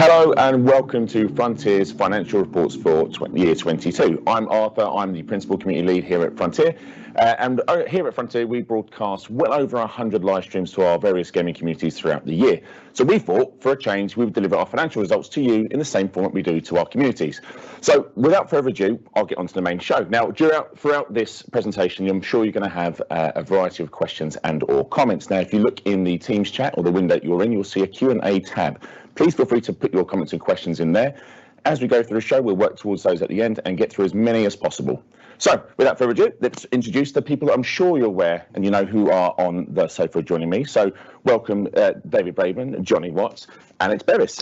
Hello, welcome to Frontier's financial reports for year 2022. I'm Arthur, the Principal Community Lead here at Frontier. Here at Frontier, we broadcast well over 100 live streams to our various gaming communities throughout the year. We thought, for a change, we would deliver our financial results to you in the same format we do to our communities. Without further ado, I'll get onto the main show. Now, throughout this presentation, I'm sure you're gonna have a variety of questions and/or comments. If you look in the Teams chat or the window that you're in, you'll see a Q&A tab. Please feel free to put your comments and questions in there. As we go through the show, we'll work towards those at the end and get through as many as possible. Without further ado, let's introduce the people I'm sure you're aware and you know who are on the sofa joining me. Welcome, David Braben, Jonny Watts, Alex Bevis.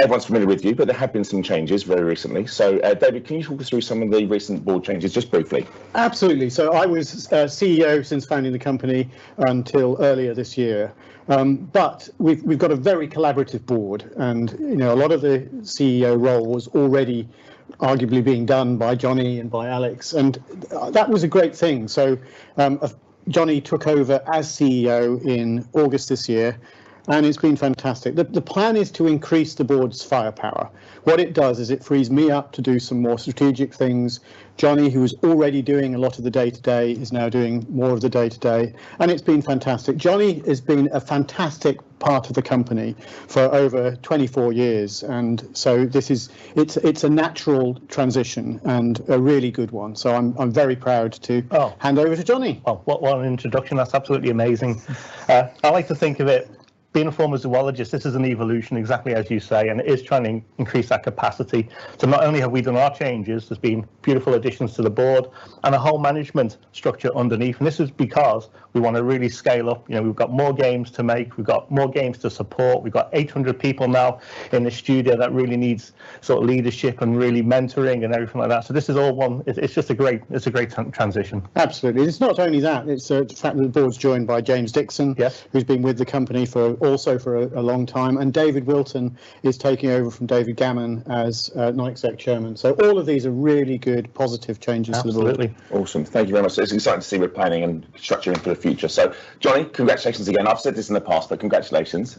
Everyone's familiar with you, but there have been some changes very recently. David, can you talk us through some of the recent board changes just briefly? Absolutely. I was CEO since founding the company until earlier this year. But we've got a very collaborative board and, you know, a lot of the CEO role was already arguably being done by Jonny and by Alex, and that was a great thing. Jonny took over as CEO in August this year, and it's been fantastic. The plan is to increase the board's firepower. What it does is it frees me up to do some more strategic things. Jonny, who was already doing a lot of the day-to-day, is now doing more of the day-to-day, and it's been fantastic. Jonny has been a fantastic part of the company for over 24 years, and this is a natural transition, and a really good one. I'm very proud to Oh Hand over to Jonny. Oh, what an introduction. That's absolutely amazing. I like to think of it, being a former zoologist, this is an evolution, exactly as you say, and it is trying to increase that capacity. Not only have we done our changes, there's been beautiful additions to the board and a whole management structure underneath, and this is because we wanna really scale up. You know, we've got more games to make, we've got more games to support. We've got 800 people now in the studio that really needs sort of leadership and really mentoring and everything like that. This is all one, it's just a great transition. Absolutely. It's not only that, it's the fact that the board's joined by James Dixon. Yes... who's been with the company for a long time, and David Wilton is taking over from David Gammon as non-exec chairman. All of these are really good, positive changes for the board. Absolutely. Awesome. Thank you very much. It's exciting to see we're planning and structuring for the future. Jonny, congratulations again. I've said this in the past, but congratulations.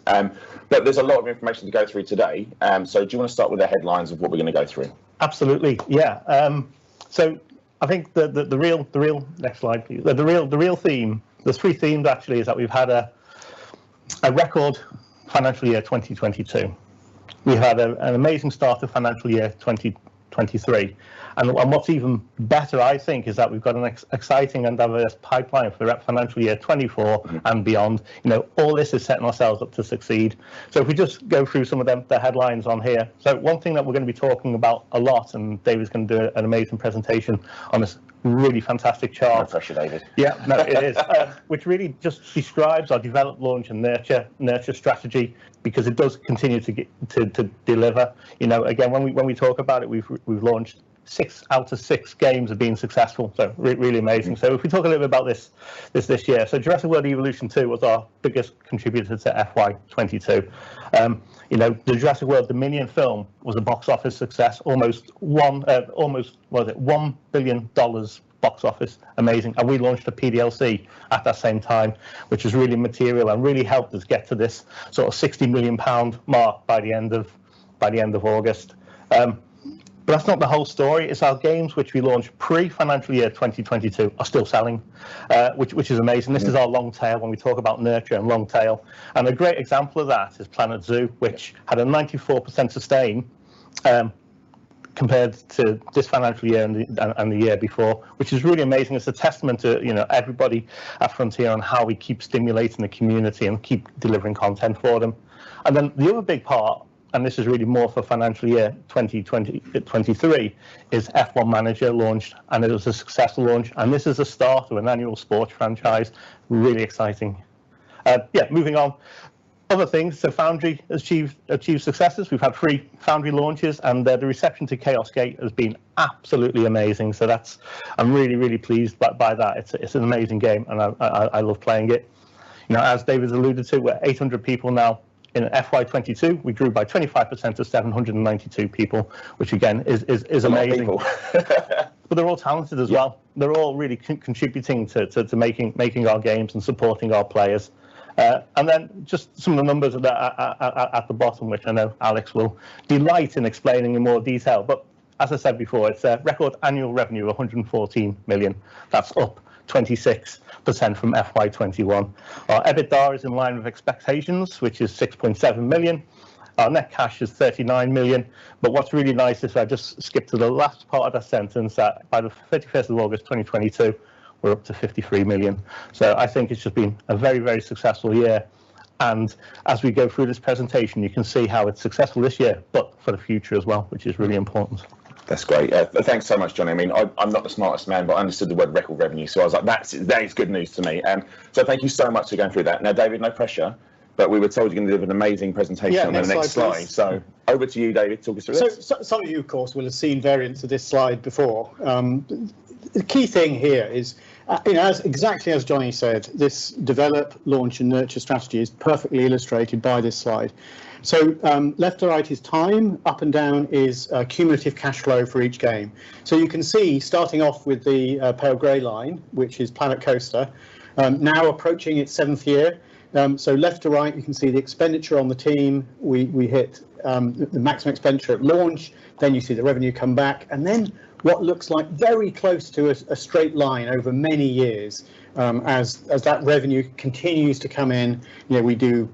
There's a lot of information to go through today, do you wanna start with the headlines of what we're gonna go through? Absolutely, yeah. So I think the real. Next slide, please. The real theme, there's three themes actually, is that we've had a record financial year 2022. We had an amazing start to financial year 2023, and what's even better, I think, is that we've got an exciting and diverse pipeline for financial year 2024. Mm-hmm beyond. You know, all this is setting ourselves up to succeed. If we just go through some of the headlines on here. One thing that we're gonna be talking about a lot, and David's gonna do an amazing presentation on this really fantastic chart. No pressure, David. Yeah, no, it is. Which really just describes our developed launch and nurture strategy because it does continue to get to deliver. You know, again, when we talk about it, we've launched 6 out of 6 games have been successful, so really amazing. If we talk a little bit about this year. Jurassic World Evolution 2 was our biggest contributor to FY 2022. You know, the Jurassic World Dominion film was a box office success, almost $1 billion box office. Amazing. We launched a PDLC at that same time, which was really material and really helped us get to this sort of 60 million pound mark by the end of August. That's not the whole story. It's our games which we launched pre-financial year 2022 are still selling, which is amazing. Mm-hmm. This is our long tail when we talk about nurture and long tail. A great example of that is Planet Zoo, which had a 94% sustain compared to this financial year and the year before, which is really amazing. It's a testament to, you know, everybody at Frontier on how we keep stimulating the community and keep delivering content for them. Then the other big part, and this is really more for financial year 2023, is F1 Manager launched, and it was a successful launch, and this is the start of an annual sports franchise. Really exciting. Moving on. Other things. Foundry achieved successes. We've had thee Foundry launches, and the reception to Chaos Gate has been absolutely amazing, so that's. I'm really, really pleased by that. It's an amazing game and I love playing it. You know, as David's alluded to, we're 800 people now. In FY 2022, we grew by 25% to 792 people, which again is amazing. A lot of people. They're all talented as well. Yeah. They're all really contributing to making our games and supporting our players. Just some of the numbers at the bottom, which I know Alex will delight in explaining in more detail. As I said before, it's a record annual revenue of 114 million. That's up 26% from FY 2021. Our EBITDA is in line with expectations, which is 6.7 million. Our net cash is 39 million. What's really nice, if I just skip to the last part of that sentence, that by the 31st of August 2022, we're up to 53 million. I think it's just been a very successful year, and as we go through this presentation, you can see how it's successful this year, but for the future as well, which is really important. That's great. Thanks so much, Jonny. I mean, I'm not the smartest man, but I understood the word record revenue, so I was like, "That's good news to me." Thank you so much for going through that. Now, David, no pressure, but we were told you're gonna deliver an amazing presentation. Yeah, next slide, please.... on the next slide. Over to you, David. Talk us through this. Some of you, of course, will have seen variants of this slide before. The key thing here is, you know, as exactly as Jonny said, this develop, launch, and nurture strategy is perfectly illustrated by this slide. Left to right is time, up and down is cumulative cash flow for each game. You can see starting off with the pale gray line, which is Planet Coaster, now approaching its seventh year. Left to right, you can see the expenditure on the team. We hit the maximum expenditure at launch, then you see the revenue come back, and then what looks like very close to a straight line over many years, as that revenue continues to come in, you know, we do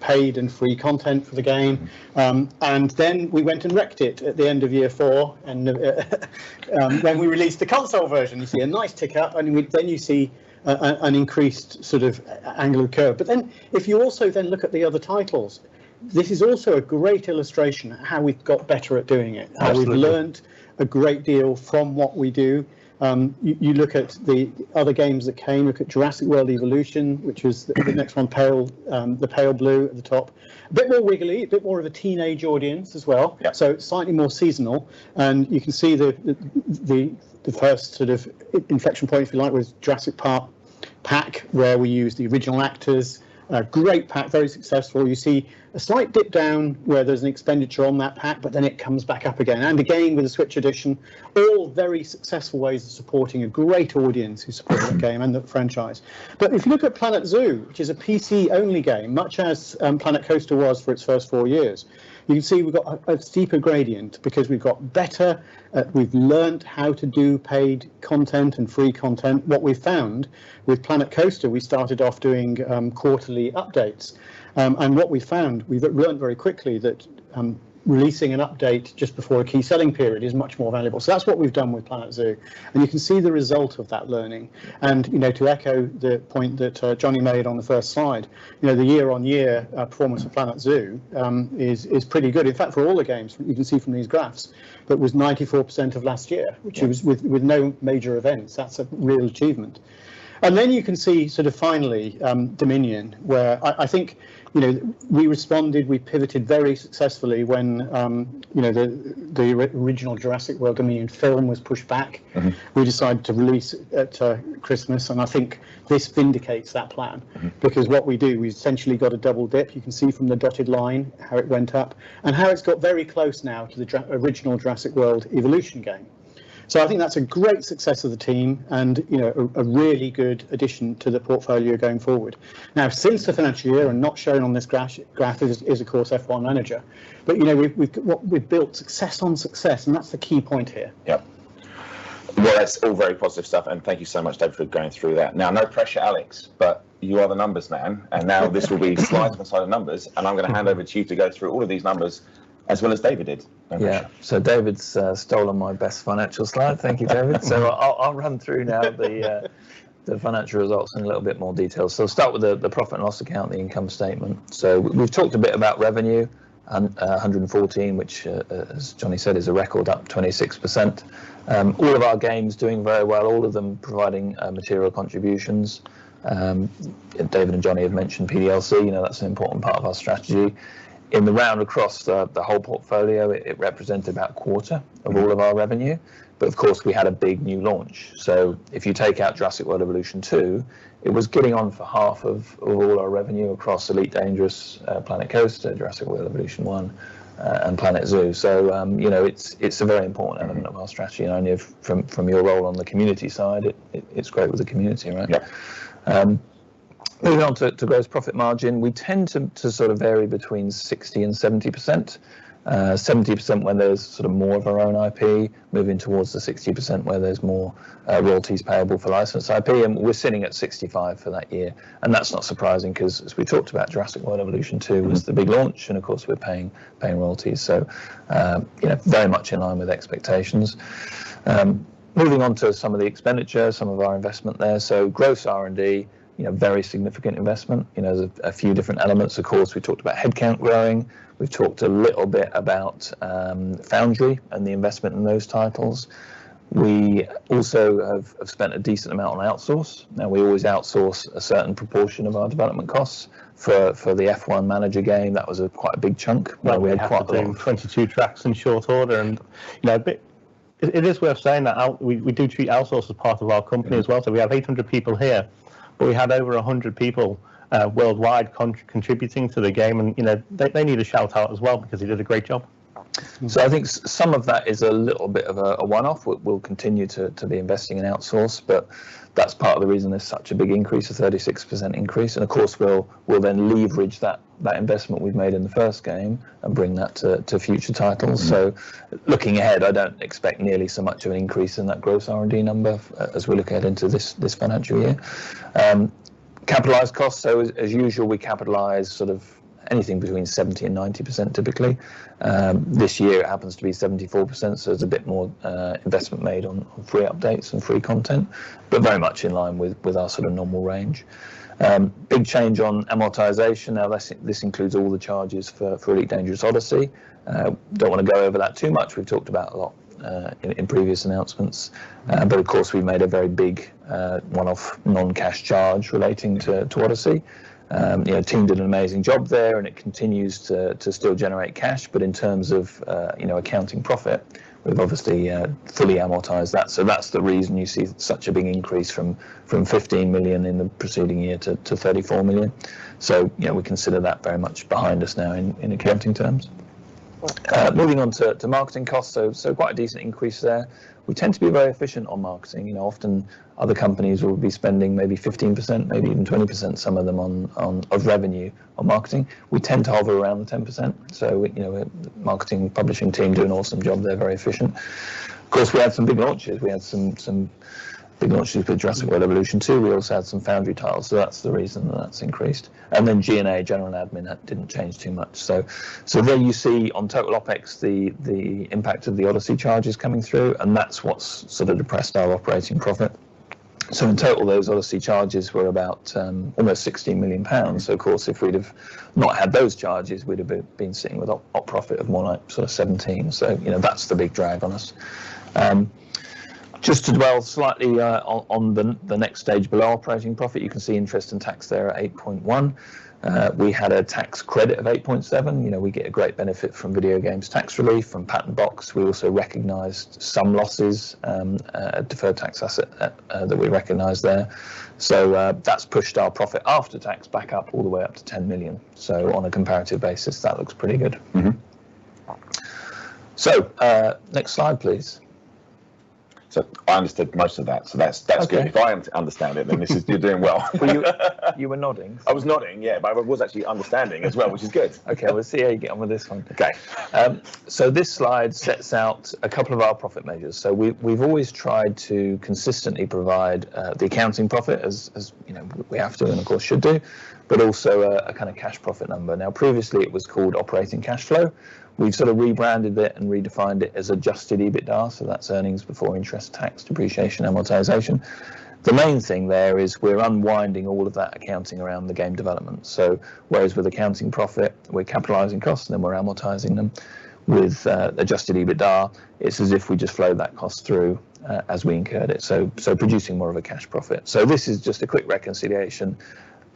paid and free content for the game. We went and wrecked it at the end of year 4, and when we released the console version, you see a nice tick up, then you see an increased sort of angular curve. If you also then look at the other titles, this is also a great illustration of how we've got better at doing it. Absolutely. How we've learned a great deal from what we do. You look at the other games that came. Look at Jurassic World Evolution, which was the next one, the pale blue at the top. A bit more wiggly, a bit more of a teenage audience as well. Yeah. Slightly more seasonal. You can see the first sort of inflection point, if you like, was Return to Jurassic Park where we used the original actors. A great pack, very successful. You see a slight dip down where there's an expenditure on that pack, but then it comes back up again, and again with the Nintendo Switch edition. All very successful ways of supporting a great audience who support that game. Mm-hmm the franchise. If you look at Planet Zoo, which is a PC-only game, much as Planet Coaster was for its first four years, you can see we've got a steeper gradient because we've got better at, we've learnt how to do paid content and free content. What we've found, with Planet Coaster, we started off doing quarterly updates. What we found, we've learnt very quickly that releasing an update just before a key selling period is much more valuable. That's what we've done with Planet Zoo, and you can see the result of that learning. You know, to echo the point that Johnny made on the first slide, you know, the year-on-year performance of Planet Zoo is pretty good. In fact, for all the games, you can see from these graphs, which was 94% of last year. Yeah which was with no major events. That's a real achievement. Then you can see sort of finally, Dominion, where I think, you know, we responded, we pivoted very successfully when, you know, the original Jurassic World Dominion film was pushed back. Mm-hmm. We decided to release it at Christmas, and I think this vindicates that plan. Mm-hmm. Because what we do, we've essentially got a double dip. You can see from the dotted line how it went up and how it's got very close now to the original Jurassic World Evolution game. I think that's a great success of the team and, you know, a really good addition to the portfolio going forward. Now, since the financial year end not shown on this graph is, of course, F1 Manager. You know, we've built success on success, and that's the key point here. Yep. Well, that's all very positive stuff, and thank you so much, David, for going through that. Now, no pressure, Alex, but you are the numbers man, and now this will be slides and a ton of numbers, and I'm gonna hand over to you to go through all of these numbers as well as David did. Over to you. Yeah. David's stolen my best financial slide. Thank you, David. I'll run through now the financial results in a little bit more detail. Start with the profit and loss account, the income statement. We've talked a bit about revenue and 114, which, as Jonny said, is a record up 26%. All of our games doing very well, all of them providing material contributions. David and Jonny have mentioned PDLC. You know, that's an important part of our strategy. In the round across the whole portfolio, it represented about quarter of all of our revenue, but of course, we had a big new launch. If you take out Jurassic World Evolution 2, it was getting on for half of all our revenue across Elite Dangerous, Planet Coaster, Jurassic World Evolution 1, and Planet Zoo. You know, it's a very important element of our strategy. I know from your role on the community side, it's great with the community, right? Yeah. Moving on to gross profit margin. We tend to sort of vary between 60% and 70%. 70% when there's sort of more of our own IP, moving towards the 60% where there's more royalties payable for licensed IP. We're sitting at 65% for that year, and that's not surprising because as we talked about, Jurassic World Evolution 2 was the big launch, and of course, we're paying royalties. You know, very much in line with expectations. Moving on to some of the expenditure, some of our investment there. Gross R&D, you know, very significant investment. You know, there's a few different elements, of course. We talked about headcount growing. We've talked a little bit about Foundry and the investment in those titles. We also have spent a decent amount on outsource. Now, we always outsource a certain proportion of our development costs. For the F1 Manager game, that was quite a big chunk. Yeah, they had to. where we had quite a long 22 tracks in short order and, you know, a bit. It is worth saying that we do treat outsource as part of our company as well. We have 800 people here, but we had over 100 people worldwide contributing to the game, and, you know, they need a shout-out as well because they did a great job. I think some of that is a little bit of a one-off. We'll continue to be investing in outsource, but that's part of the reason there's such a big increase of 36% increase. Of course, we'll then leverage that investment we've made in the first game and bring that to future titles. Mm-hmm. Looking ahead, I don't expect nearly so much of an increase in that gross R&D number as we look ahead into this financial year. Capitalized costs, as usual, we capitalize sort of anything between 70%-90% typically. This year it happens to be 74%, so it's a bit more investment made on free updates and free content, but very much in line with our sort of normal range. Big change on amortization. Now, this includes all the charges for Elite Dangerous: Odyssey. Don't wanna go over that too much. We've talked about a lot in previous announcements. Of course, we made a very big one-off non-cash charge relating to Odyssey. You know, team did an amazing job there, and it continues to still generate cash. In terms of, you know, accounting profit, we've obviously fully amortized that. That's the reason you see such a big increase from 15 million in the preceding year to 34 million. You know, we consider that very much behind us now in accounting terms. Moving on to marketing costs. Quite a decent increase there. We tend to be very efficient on marketing. You know, often other companies will be spending maybe 15%, maybe even 20%, some of them, on of revenue on marketing. We tend to hover around the 10%, so, you know, marketing, publishing team do an awesome job. They're very efficient. Of course, we had some big launches. We had some big launches with Jurassic World Evolution 2. We also had some Foundry titles, so that's the reason that's increased. G&A, general & admin, that didn't change too much. So there you see on total OPEX, the impact of the Odyssey charges coming through, and that's what's sort of depressed our operating profit. In total, those Odyssey charges were about almost 16 million pounds. Of course, if we'd have not had those charges, we'd have been sitting with operating profit of more like sort of 17 million, so you know, that's the big drag on us. Just to dwell slightly on the next stage below operating profit, you can see interest and tax there at 8.1 million. We had a tax credit of 8.7 million. You know, we get a great benefit from video games tax relief from Patent Box. We also recognized some losses, a deferred tax asset that we recognized there. That's pushed our profit after tax back up all the way up to 10 million, so on a comparative basis, that looks pretty good. Mm-hmm. Next slide, please. I understood most of that, so that's good. Okay. You're doing well. Well, you were nodding. I was nodding, yeah, but I was actually understanding as well, which is good. Okay, we'll see how you get on with this one. Okay. This slide sets out a couple of our profit measures. We've always tried to consistently provide the accounting profit as, you know, we have to, and of course should do, but also a kind of cash profit number. Now, previously, it was called operating cash flow. We've sort of rebranded it and redefined it as adjusted EBITDA, so that's earnings before interest, tax, depreciation, amortization. The main thing there is we're unwinding all of that accounting around the game development. Whereas with accounting profit, we're capitalizing costs, and then we're amortizing them, with adjusted EBITDA, it's as if we just flow that cost through as we incurred it, so producing more of a cash profit. This is just a quick reconciliation that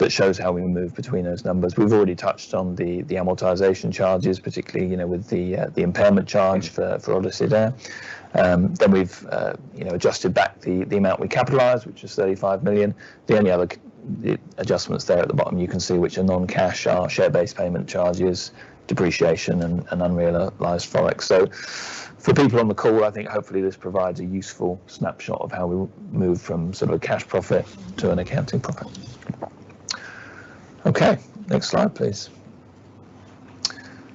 shows how we move between those numbers. We've already touched on the amortization charges, particularly, you know, with the impairment charge for Odyssey there. We've you know adjusted back the amount we capitalized, which was 35 million. The only other adjustments there at the bottom you can see which are non-cash are share-based payment charges, depreciation, and unrealized FOREX. For people on the call, I think hopefully this provides a useful snapshot of how we move from sort of a cash profit to an accounting profit. Okay, next slide, please.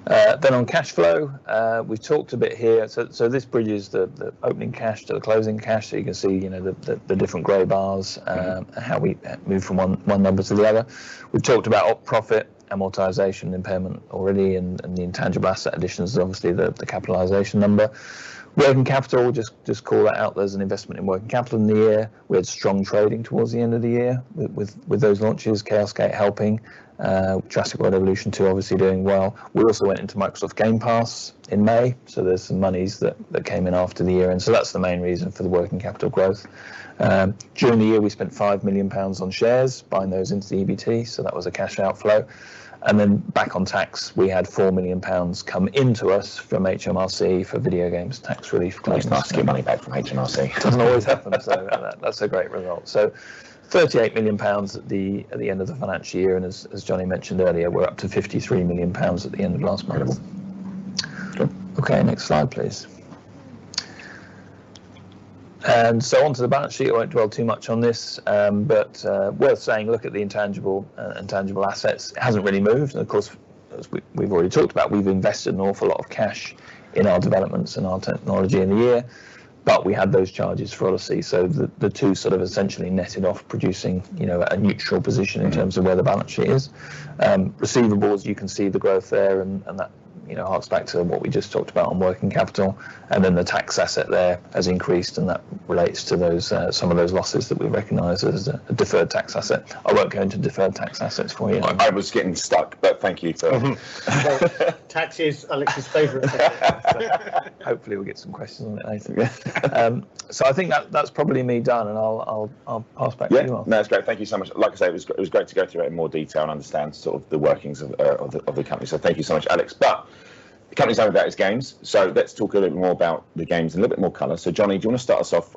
On cash flow, we've talked a bit here. This bridges the opening cash to the closing cash, so you can see, you know, the different gray bars. Mm-hmm How we move from one number to the other. We've talked about operating profit, amortization, impairment already, and the intangible asset additions is obviously the capitalization number. Working capital, we'll just call that out. There's an investment in working capital in the year. We had strong trading towards the end of the year with those launches, Chaos Gate helping, Jurassic World Evolution 2 obviously doing well. We also went into Microsoft Game Pass in May, so there's some monies that came in after the year. That's the main reason for the working capital growth. During the year, we spent 5 million pounds on shares, buying those into EBT, so that was a cash outflow, and then back on tax, we had 4 million pounds come into us from HMRC for video games tax relief claims. Nice to get money back from HMRC. Doesn't always happen, so that's a great result. 38 million pounds at the end of the financial year, and as Jonny mentioned earlier, we're up to 53 million pounds at the end of the last quarter. Yes. Sure. Okay, next slide, please. Onto the balance sheet. I won't dwell too much on this, but worth saying, look at the intangible assets. It hasn't really moved, and of course, as we've already talked about, we've invested an awful lot of cash in our developments and our technology in the year, but we had those charges for Odyssey. The two sort of essentially netted off, producing you know a neutral position in terms of where the balance sheet is. Receivables, you can see the growth there, and that you know harks back to what we just talked about on working capital and then the tax asset there has increased, and that relates to those some of those losses that we recognized as a deferred tax asset. I won't go into deferred tax assets for you. I was getting stuck, but thank you. Mm-hmm. Tax is Alex's favorite subject. Hopefully we'll get some questions on it later. Yeah. I think that's probably me done, and I'll pass back to you all. Yeah, no, it's great. Thank you so much. Like I say, it was great to go through it in more detail and understand sort of the workings of the company, so thank you so much, Alex. The company's all about its games. Let's talk a little bit more about the games and a little bit more color. Jonny, do you wanna start us off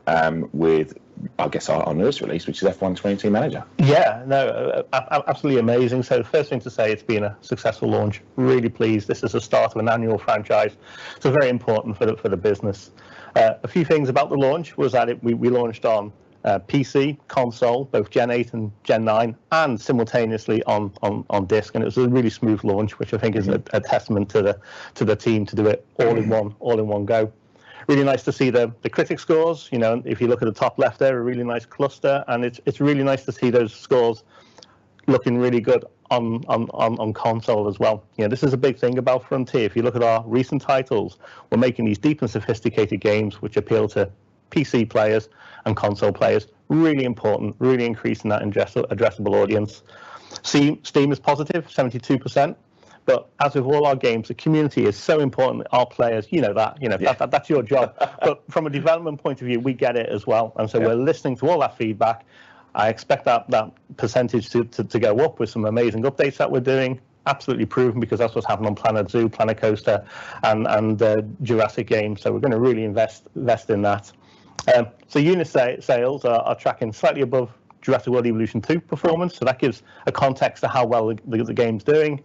with, I guess, our newest release, which is F1 Manager 2022? Yeah, no, absolutely amazing. The first thing to say, it's been a successful launch. Really pleased. This is the start of an annual franchise, very important for the business. A few things about the launch was that we launched on PC, console, both Gen 8 and Gen 9, and simultaneously on disc, and it was a really smooth launch, which I think is a Mm-hmm a testament to the team to do it all in one. Mm-hmm All in one go. Really nice to see the critic scores. You know, if you look at the top left there, a really nice cluster, and it's really nice to see those scores looking really good on console as well. You know, this is a big thing about Frontier. If you look at our recent titles, we're making these deep and sophisticated games which appeal to PC players and console players. Really important, really increasing that addressable audience. See Steam is positive, 72%. As with all our games, the community is so important. Our players, you know that. You know. Yeah That's your job. From a development point of view, we get it as well. Yeah. We're listening to all that feedback. I expect that percentage to go up with some amazing updates that we're doing. Absolutely proven, because that's happened on Planet Zoo, Planet Coaster, and the Jurassic game. We're gonna really invest in that. Unit sales are tracking slightly above Jurassic World Evolution 2 performance, so that gives a context to how well the game's doing.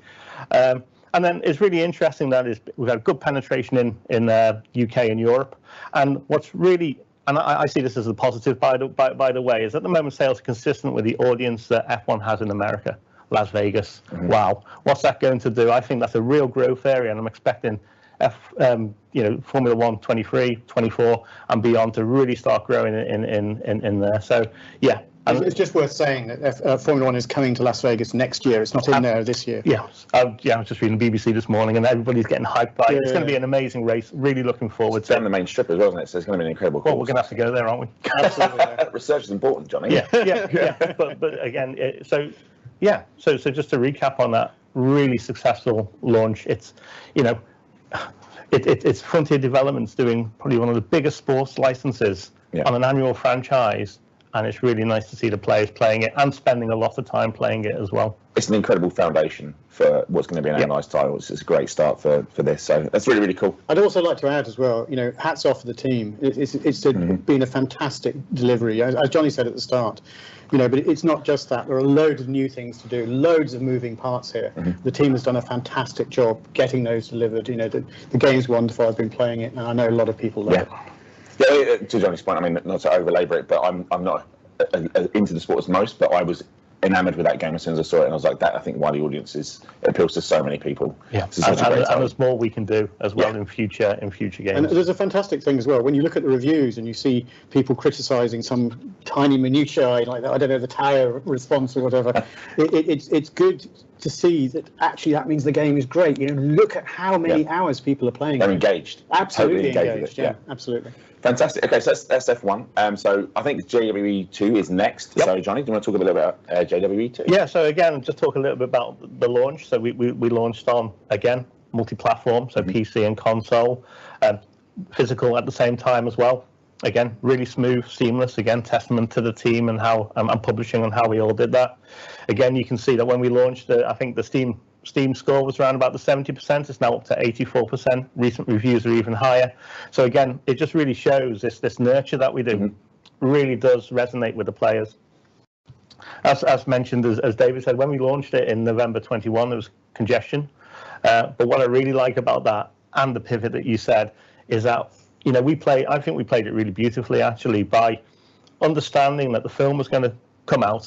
It's really interesting that it's. We've had good penetration in the U.K. and Europe. I see this as a positive by the way, at the moment sales are consistent with the audience that F1 has in America. Las Vegas. Right. Wow. What's that going to do? I think that's a real growth area, and I'm expecting you know, Formula 1 2023, 2024, and beyond to really start growing in there. Yeah, It's just worth saying that Formula 1 is coming to Las Vegas next year. It's not in there this year. Yeah. Yeah, I was just reading the BBC this morning, and everybody's getting hyped by it. Yeah. It's gonna be an amazing race. Really looking forward to it. It's down the main strip as well, isn't it? It's gonna be an incredible Well, we're gonna have to go there, aren't we? Absolutely. Research is important, Jonny. Yeah. Again, just to recap on that, really successful launch. You know, it's Frontier Developments' doing probably one of the biggest sports licenses. Yeah On an annual franchise, and it's really nice to see the players playing it, and spending a lot of time playing it as well. It's an incredible foundation for what's gonna be. Yeah an annualized title. It's a great start for this. That's really cool. I'd also like to add as well, you know, hats off to the team. Mm-hmm Been a fantastic delivery. As Jonny said at the start, you know, but it's not just that. There are a load of new things to do. Loads of moving parts here. Mm-hmm. The team has done a fantastic job getting those delivered, you know. The game's wonderful. I've been playing it, and I know a lot of people that are. Yeah. To Jonny's point, I mean, not to over-labor it, but I'm not into the sport as most, but I was enamored with that game as soon as I saw it, and I was like, "That, I think, why the audience is. It appeals to so many people. Yeah. It's a great title. there's more we can do as well. Yeah In future games. There's a fantastic thing as well. When you look at the reviews and you see people criticizing some tiny minutia like, I don't know, the tire response or whatever, it's good to see that actually that means the game is great, you know. Look at how many. Yeah hours people are playing it. They're engaged. Absolutely engaged. Totally engaged. Yeah. Yeah, absolutely. Fantastic. Okay. That's F1. I think JWE 2 is next. Yep. Sorry, Johnny. Do you wanna talk a little bit about JWE 2? Yeah. Again, just talk a little bit about the launch. We launched on, again, multi-platform. Mm-hmm. PC and console. Physical at the same time as well. Again, really smooth, seamless. Again, testament to the team and publishing on how we all did that. Again, you can see that when we launched. I think the Steam score was around about 70%. It's now up to 84%. Recent reviews are even higher. Again, it just really shows this nurture that we do. Mm-hmm It really does resonate with the players. As mentioned, as David said, when we launched it in November 2021, there was congestion. What I really like about that, and the pivot that you said, is that, you know, I think we played it really beautifully actually, by understanding that the film was gonna come out.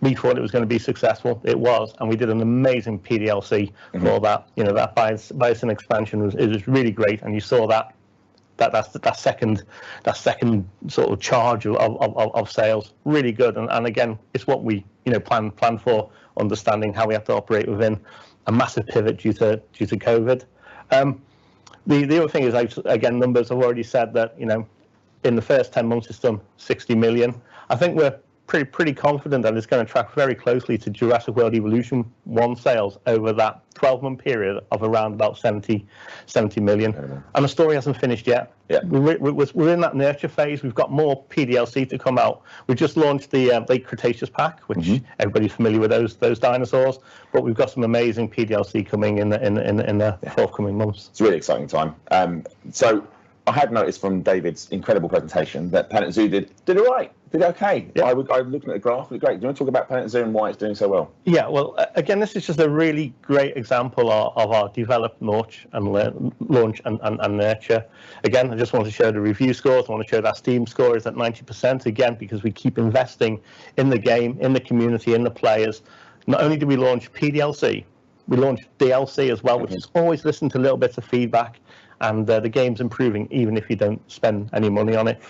We thought it was gonna be successful. It was. We did an amazing PDLC. Mm-hmm For that. You know, that expansion was really great, and you saw that second surge of sales. Really good. Again, it's what we planned for, understanding how we have to operate within a massive pivot due to COVID. The other thing is also again, numbers have already said that, you know, in the first 10 months it's done 60 million. I think we're pretty confident that it's gonna track very closely to Jurassic World Evolution 1 sales over that 12-month period of around about 70 million. Okay. The story hasn't finished yet. Yeah. We're in that nurture phase. We've got more PDLC to come out. We've just launched the Late Cretaceous Pack. Mm-hmm. Which everybody's familiar with those dinosaurs. We've got some amazing PDLC coming in the forthcoming months. It's a really exciting time. I had noticed from David's incredible presentation that Planet Zoo did all right. Did okay. Yeah. I was looking at the graph, it was great. Do you wanna talk about Planet Zoo and why it's doing so well? Yeah. Well, again, this is just a really great example of our development, launch, and nurture. Again, I just wanted to show the review scores. I wanna show that Steam score is at 90%, again, because we keep investing in the game, in the community, in the players. Not only did we launch PDLC, we launched DLC as well. Mm-hmm which is always listened to little bits of feedback, and the game's improving even if you don't spend any money on it.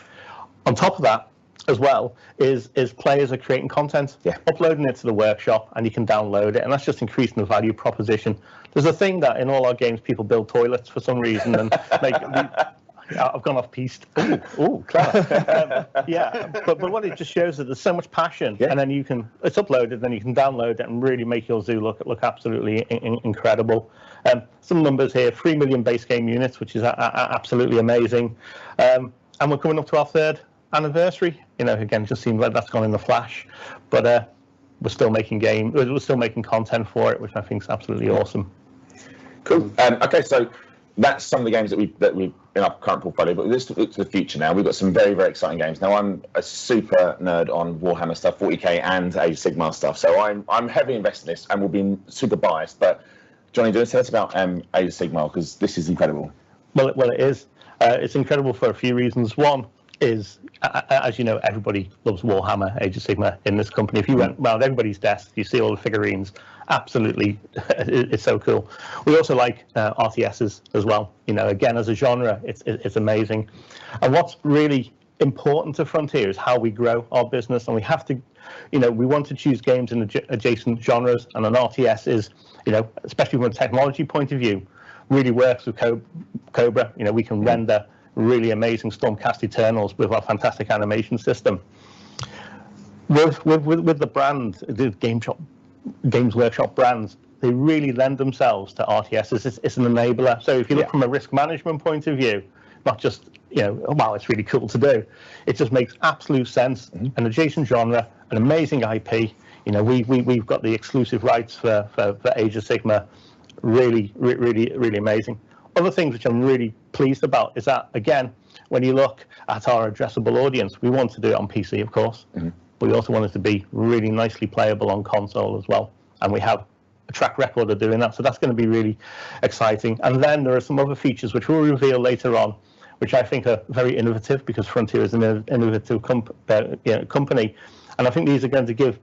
On top of that as well, is players are creating content. Yeah Uploading it to the workshop, and you can download it. That's just increasing the value proposition. There's a thing that in all our games people build toilets for some reason, and I've gone off-piste. What it just shows is there's so much passion. Yeah. Then you can. It's uploaded, then you can download it and really make your zoo look absolutely incredible. Some numbers here. 3 million base game units, which is absolutely amazing. We're coming up to our third anniversary. You know, again, just seems like that's gone in a flash. We're still making content for it, which I think is absolutely awesome. Cool. Okay. That's some of the games that we in our current portfolio. Let's look to the future now. We've got some very exciting games. Now, I'm a super nerd on Warhammer stuff, 40K and Age of Sigmar stuff. I'm heavily invested in this, and will be super biased. Jonny, do you wanna tell us about Age of Sigmar, 'cause this is incredible. Well, it is. It's incredible for a few reasons. One is, as you know, everybody loves Warhammer Age of Sigmar in this company. Mm-hmm. If you went around everybody's desk, you see all the figurines. Absolutely, it's so cool. We also like, RTSs as well. You know, again, as a genre, it's amazing. What's really important to Frontier is how we grow our business, and we have to, you know, we want to choose games in adjacent genres. An RTS is, you know, especially from a technology point of view, really works with Cobra. You know, we can render really amazing Stormcast Eternals with our fantastic animation system. With the brand, the Games Workshop brands, they really lend themselves to RTS. It's an enabler. Yeah. If you look from a risk management point of view, not just, you know, "Oh, wow, it's really cool to do," it just makes absolute sense. Mm-hmm. An adjacent genre, an amazing IP. You know, we've got the exclusive rights for Age of Sigmar. Really amazing. Other things which I'm really pleased about is that, again, when you look at our addressable audience, we want to do it on PC of course. Mm-hmm. We also want it to be really nicely playable on console as well, and we have a track record of doing that, so that's gonna be really exciting. Then there are some other features which we'll reveal later on which I think are very innovative because Frontier is an innovative company. I think these are going to give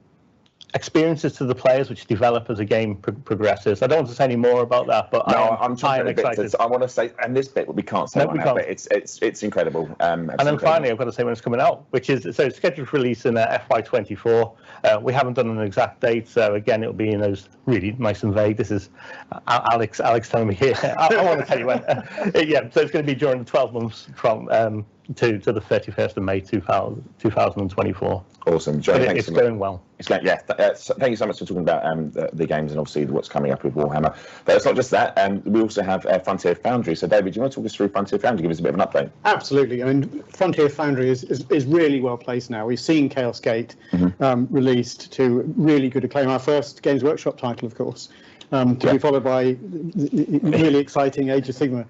experiences to the players which develop as a game progresses. I don't want to say any more about that. No I'm tired and excited. I'm trying to think because I wanna say this bit will be can't say whatever. No, we can't. It's incredible. Absolutely. Finally, I've gotta say when it's coming out, which is scheduled for release in FY24. We haven't done an exact date, so again, it'll be in those really nice and vague. This is Alex telling me, "Here." "I wanna tell you when." It's gonna be during the 12 months to the 31st of May 2024. Awesome. Jonny, thanks so much. It's doing well. Thank you so much for talking about the games and obviously what's coming up with Warhammer. It's not just that. We also have Frontier Foundry. David, do you wanna talk us through Frontier Foundry? Give us a bit of an update. Absolutely. I mean, Frontier Foundry is really well placed now. We've seen Chaos Gate- Mm-hmm Released to really good acclaim. Our first Games Workshop title, of course. Yeah... to be followed by, you know, really exciting Age of Sigmar.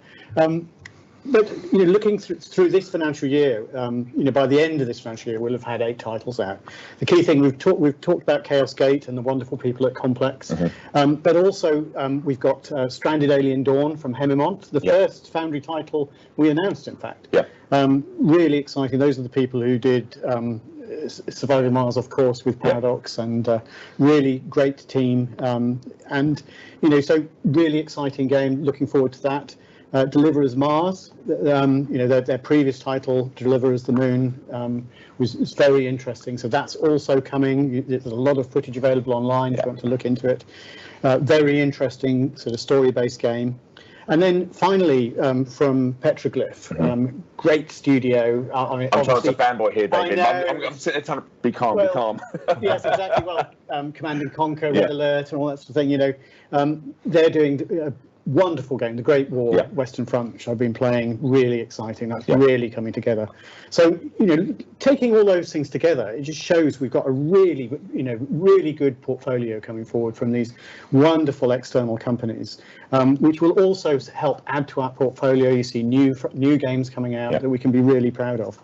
You know, looking through this financial year, by the end of this financial year, we'll have had eight titles out. The key thing, we've talked about Chaos Gate and the wonderful people at Complex. Mm-hmm. We've got Stranded: Alien Dawn from Haemimont. Yeah. The first Foundry title we announced, in fact. Yeah. Really exciting. Those are the people who did Surviving Mars, of course, with Paradox. Yeah. A really great team. You know, really exciting game. Looking forward to that. Deliver Us Mars. You know, their previous title, Deliver Us The Moon, was very interesting, so that's also coming. There's a lot of footage available online. Yeah if you want to look into it. A very interesting sort of story-based game. Finally, from Petroglyph. Mm-hmm. Great studio. I mean, obviously. I'm trying not to fanboy here, David. I know. I'm trying to be calm. Well, yes, exactly. Well, Command & Conquer. Yeah Red Alert, and all that sort of thing, you know. They're doing, you know, a wonderful game, The Great War: Western Front. Yeah which I've been playing. Really exciting. Yeah. That's really coming together. You know, taking all those things together, it just shows we've got a really, you know, really good portfolio coming forward from these wonderful external companies. Which will also help add to our portfolio, you see new games coming out. Yeah that we can be really proud of.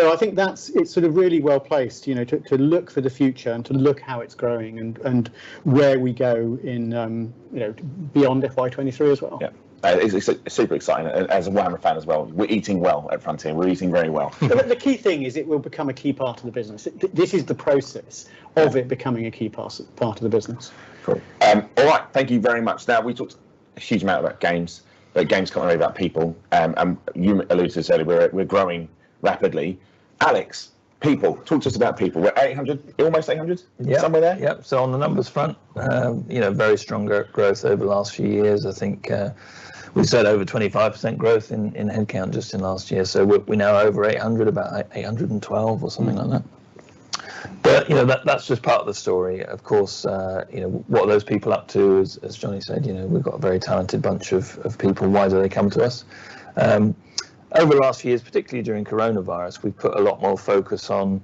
I think that's, it's sort of really well placed, you know, to look for the future and to look how it's growing and where we go in, you know, beyond FY2023 as well. Yeah. It's super exciting. As a Warhammer fan as well, we're eating well at Frontier. We're eating very well. The key thing is it will become a key part of the business. This is the process. Yeah of it becoming a key part of the business. Cool. All right, thank you very much. Now, we talked a huge amount about games, but games can't really be about people. You alluded to this earlier, we're growing rapidly. Alex, people. Talk to us about people. We're 800, almost 800? Yeah. Somewhere there? Yep. On the numbers front, you know, very strong growth over the last few years. I think, we said over 25% growth in headcount just in last year. We're now over 800, about 812 or something like that. Mm-hmm. You know, that's just part of the story. Of course, you know, what those people are up to, as Johnny said, you know, we've got a very talented bunch of people. Why do they come to us? Over the last few years, particularly during coronavirus, we've put a lot more focus on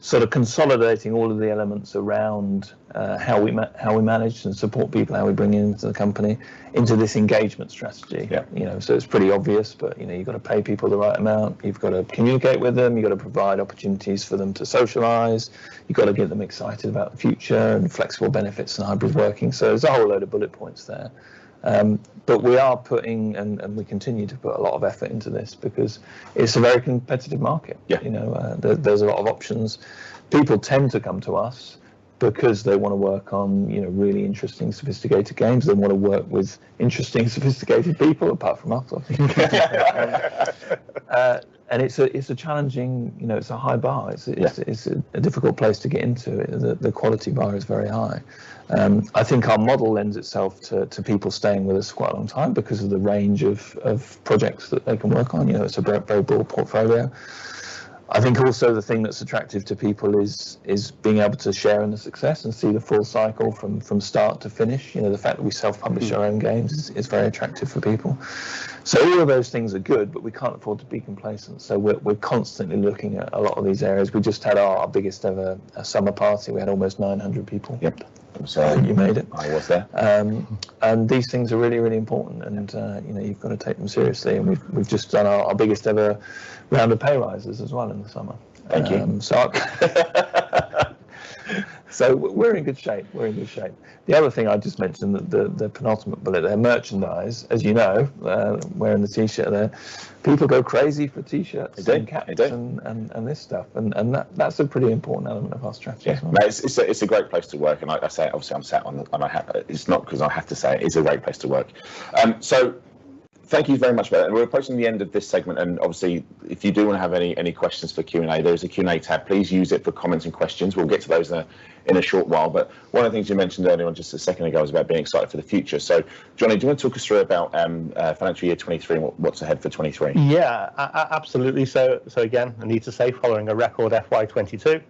sort of consolidating all of the elements around how we manage and support people, how we bring into the company, into this engagement strategy. Yeah. You know, it's pretty obvious. You know, you've gotta pay people the right amount, you've gotta communicate with them, you've gotta provide opportunities for them to socialize, you've gotta get them excited about the future, and flexible benefits, and hybrid working. There's a whole load of bullet points there. We are putting, and we continue to put a lot of effort into this, because it's a very competitive market. Yeah. You know? There's a lot of options. People tend to come to us because they wanna work on, you know, really interesting, sophisticated games. They wanna work with interesting, sophisticated people, apart from us, obviously. It's a challenging. You know, it's a high bar. Yeah. It's a difficult place to get into. The quality bar is very high. I think our model lends itself to people staying with us quite a long time because of the range of projects that they can work on. You know, it's a very, very broad portfolio. I think also the thing that's attractive to people is being able to share in the success and see the full cycle from start to finish. You know, the fact that we self-publish our own games. Mm-hmm It is very attractive for people. All of those things are good, but we can't afford to be complacent. We're constantly looking at a lot of these areas. We just had our biggest ever summer party. We had almost 900 people. Yep. I'm sorry you made it. I was there. These things are really, really important. You know, you've gotta take them seriously, and we've just done our biggest ever round of pay raises as well in the summer. Thank you. We're in good shape. The other thing I'd just mention, the penultimate bullet there, merchandise. As you know, wearing the T-shirt there, people go crazy for T-shirts. They do. and CapEx and this stuff. That's a pretty important element of our strategy as well. Yeah. No, it's a great place to work. I say it, obviously I'm sat on a Yeah It's not 'cause I have to say it. It's a great place to work. Thank you very much for that. We're approaching the end of this segment, and obviously, if you do wanna have any questions for Q&A, there is a Q&A tab. Please use it for comments and questions. We'll get to those in a short while. One of the things you mentioned earlier on just a second ago was about being excited for the future. Jonny, do you wanna talk us through about financial year 2023, and what's ahead for 2023? Yeah. Absolutely. Again, I need to say following a record FY22,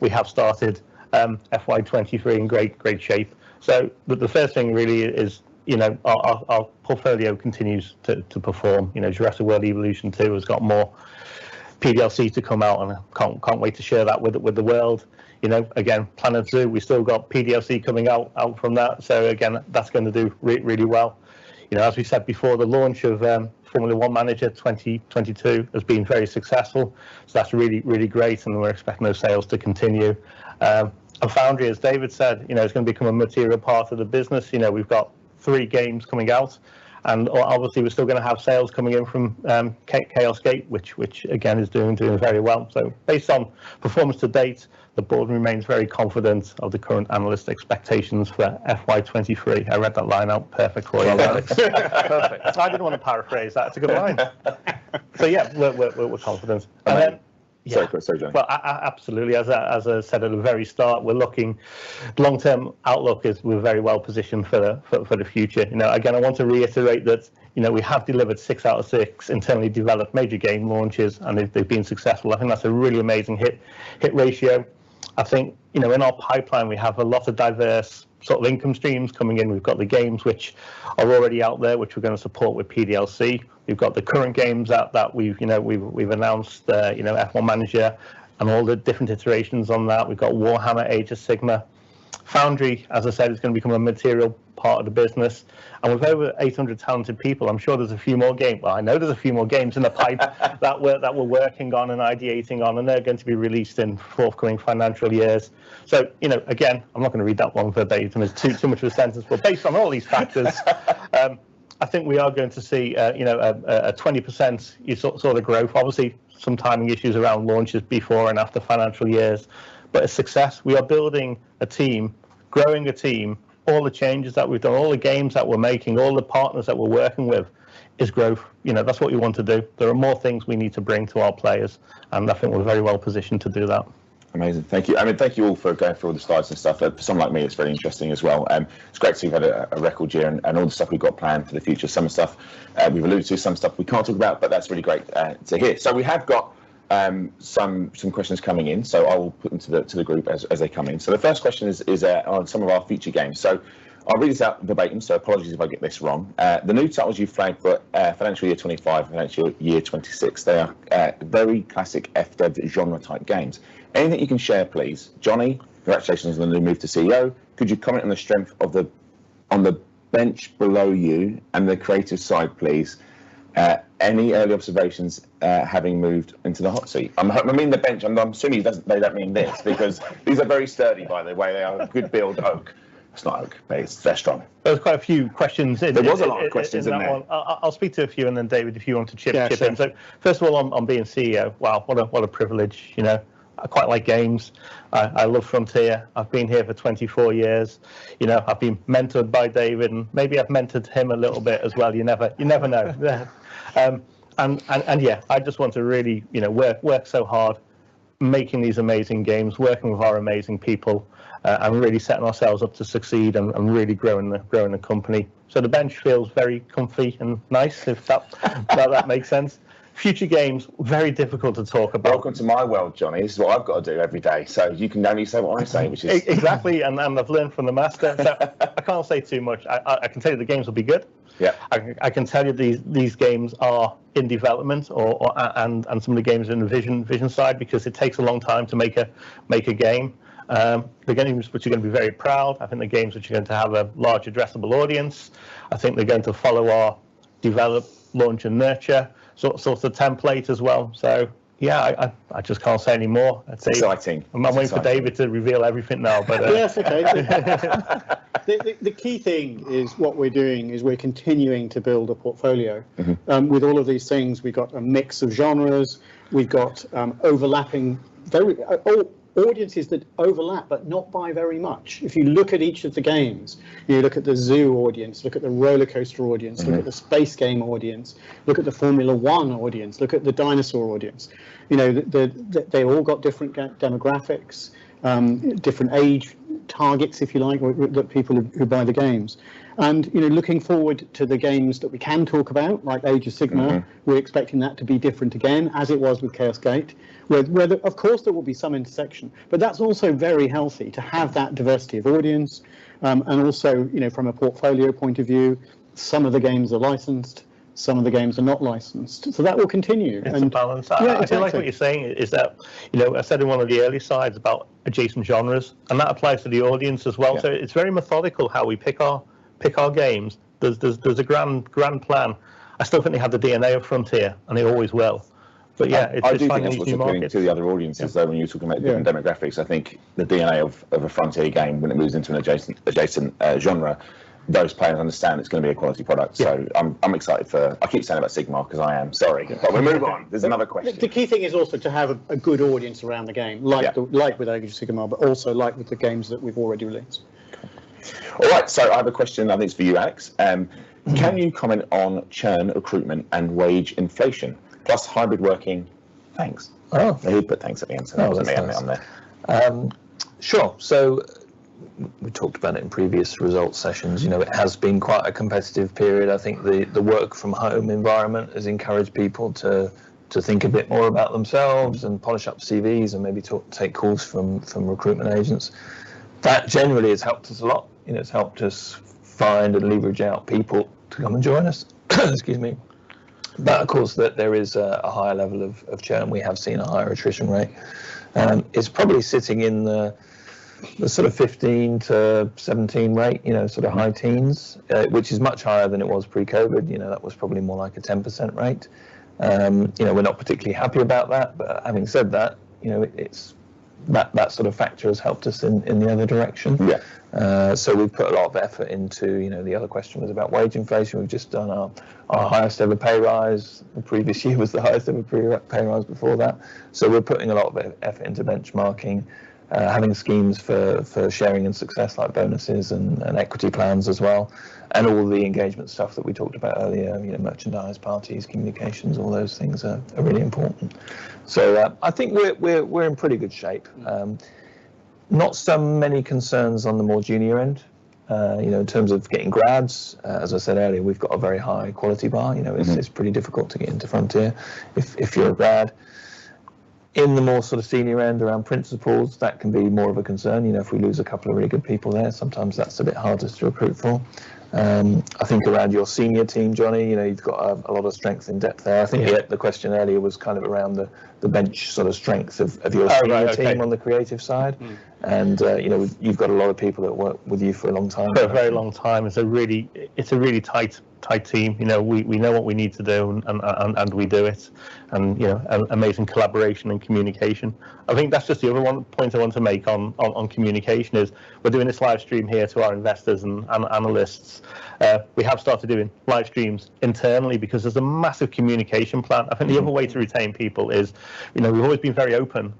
we have started FY23 in great shape. The first thing really is, you know, our portfolio continues to perform. You know, Jurassic World Evolution 2 has got more PDLC to come out, and I can't wait to share that with the world. You know, again, Planet Zoo, we still got PDLC coming out from that, so again, that's gonna do really well. You know, as we said before, the launch of F1 Manager 2022 has been very successful, so that's really great, and we're expecting those sales to continue. Foundry, as David said, you know, is gonna become a material part of the business. You know, we've got three games coming out, and obviously we're still gonna have sales coming in from Chaos Gate, which again is doing very well. Based on performance to date, the board remains very confident of the current analyst expectations for FY2023. I read that line out perfectly, Alex. Well done. Perfect. I didn't wanna paraphrase that. It's a good line. Yeah, we're confident. Then. Sorry, go, sorry Jonny. Well, absolutely, as I said at the very start, we're looking long-term. Outlook is we're very well-positioned for the future. You know, again, I want to reiterate that, you know, we have delivered six out of six internally developed major game launches, and they've been successful. I think that's a really amazing hit ratio. I think, you know, in our pipeline we have a lot of diverse sort of income streams coming in. We've got the games which are already out there, which we're gonna support with PDLC. We've got the current games out that we've announced, you know, F1 Manager and all the different iterations on that. We've got Warhammer Age of Sigmar. Foundry, as I said, is gonna become a material part of the business. With over 800 talented people, I'm sure there's a few more games in the pipeline that we're working on and ideating on, and they're going to be released in forthcoming financial years. You know, again, I'm not gonna read that one verbatim. There's too much of a sentence, but based on all these factors, I think we are going to see, you know, a 20% sort of growth. Obviously some timing issues around launches before and after financial years, but a success. We are building a team, growing a team. All the changes that we've done, all the games that we're making, all the partners that we're working with is growth. You know, that's what we want to do. There are more things we need to bring to our players, and I think we're very well positioned to do that. Amazing. Thank you. I mean, thank you all for going through all the slides and stuff. For someone like me, it's very interesting as well. It's great to see you've had a record year and all the stuff we've got planned for the future. Some stuff we've alluded to, some stuff we can't talk about, but that's really great to hear. We have got some questions coming in, so I will put them to the group as they come in. The first question is on some of our featured games. I'll read this out verbatim, so apologies if I get this wrong. "The new titles you flagged for financial year 2025 and financial year 2026, they are very classic FDev genre type games. Anything you can share, please? Johnny, congratulations on the move to CEO. Could you comment on the strength of the, on the bench below you and the creative side, please? Any early observations, having moved into the hot seat? I mean, the bench. I'm assuming they don't mean this because these are very sturdy, by the way. They are good build oak. It's not oak, but they're strong. There was quite a few questions in that one. There was a lot of questions in there. I'll speak to a few and then David, if you want to chip in. Yeah, sure. First of all on being CEO, wow, what a privilege, you know? I quite like games. I love Frontier. I've been here for 24 years. You know, I've been mentored by David, and maybe I've mentored him a little bit as well. You never know. Yeah, I just want to really, you know, work so hard making these amazing games, working with our amazing people, and really setting ourselves up to succeed and really growing the company. The bench feels very comfy and nice, if that makes sense. Future games, very difficult to talk about. Welcome to my world, Jonny. This is what I've gotta do every day. You can only say what I say. Exactly, and I've learned from the master. I can't say too much. I can tell you the games will be good. Yeah. I can tell you these games are in development and some of the games are in the vision side, because it takes a long time to make a game. They're games which you're gonna be very proud. I think they're games which are going to have a large addressable audience. I think they're going to follow our develop, launch and nurture sort of template as well. Yeah, I just can't say any more. That's it. Exciting. I'm waiting for David to reveal everything now, but. Yes, okay. The key thing is what we're doing is we're continuing to build a portfolio. Mm-hmm. With all of these things we've got a mix of genres, we've got overlapping audiences that overlap but not by very much. If you look at each of the games, you look at the zoo audience, look at the roller coaster audience. Mm-hmm Look at the space game audience, look at the Formula 1 audience, look at the dinosaur audience, you know, they've all got different demographics, different age targets, if you like, or the people who buy the games. You know, looking forward to the games that we can talk about, like Age of Sigmar. Mm-hmm we're expecting that to be different again, as it was with Chaos Gate, where of course there will be some intersection, but that's also very healthy to have that diversity of audience. Also, you know, from a portfolio point of view, some of the games are licensed, some of the games are not licensed. That will continue and- It's a balance. Yeah, exactly. I feel like what you're saying is that, you know, I said in one of the early slides about adjacent genres, and that applies to the audience as well. Yeah. It's very methodical how we pick our games. There's a grand plan. I still think they have the DNA of Frontier, and they always will. Yeah, it's just finding new markets. I do think that's what you're doing to the other audiences, though, when you talk about. Yeah different demographics. I think the DNA of a Frontier game, when it moves into an adjacent genre, those players understand it's gonna be a quality product. Yeah. I'm excited for. I keep saying about Sigmar, because I am. Sorry. We'll move on. There's another question. The key thing is also to have a good audience around the game. Yeah. Like with Age of Sigmar, but also like with the games that we've already released. All right, I have a question, and I think it's for you, Alex. Mm-hmm Can you comment on churn recruitment and wage inflation, plus hybrid working? Thanks. Oh. They put thanks at the end, so. Oh, that's nice. Put me on there. We talked about it in previous results sessions. Mm-hmm. You know, it has been quite a competitive period. I think the work from home environment has encouraged people to think a bit more about themselves, and polish up CVs, and maybe talk, take calls from recruitment agents. That generally has helped us a lot, you know, it's helped us find and leverage out people to come and join us. Excuse me. Of course there is a higher level of churn, we have seen a higher attrition rate. It's probably sitting in the sort of 15%-17% rate, you know, sort of high teens. Mm-hmm which is much higher than it was pre-COVID. You know, that was probably more like a 10% rate. You know, we're not particularly happy about that, but having said that, you know, that sort of factor has helped us in the other direction. Yeah. We've put a lot of effort into, you know, the other question was about wage inflation. We've just done our highest ever pay rise, the previous year was the highest ever previous pay rise before that. We're putting a lot of effort into benchmarking, having schemes for sharing and success, like bonuses and equity plans as well, and all the engagement stuff that we talked about earlier, you know, merchandise, parties, communications, all those things are really important. I think we're in pretty good shape. Not so many concerns on the more junior end, you know, in terms of getting grads, as I said earlier, we've got a very high quality bar, you know. Mm-hmm It's pretty difficult to get into Frontier if you're a grad. In the more sort of senior end around principals, that can be more of a concern, you know, if we lose a couple of really good people there, sometimes that's a bit harder to recruit for. I think around your senior team, Jonny, you know, you've got a lot of strength in depth there. Yeah. I think the question earlier was kind of around the bench sort of strength of your senior team. Oh, right, okay. on the creative side. Mm-hmm. You know, you've got a lot of people that work with you for a long time. For a very long time. It's a really tight team. You know, we know what we need to do and we do it, and you know, amazing collaboration and communication. I think that's just another point I want to make on communication is we're doing this live stream here to our investors and analysts. We have started doing live streams internally, because there's a massive communication plan. Mm-hmm. I think the other way to retain people is, you know, we've always been very open,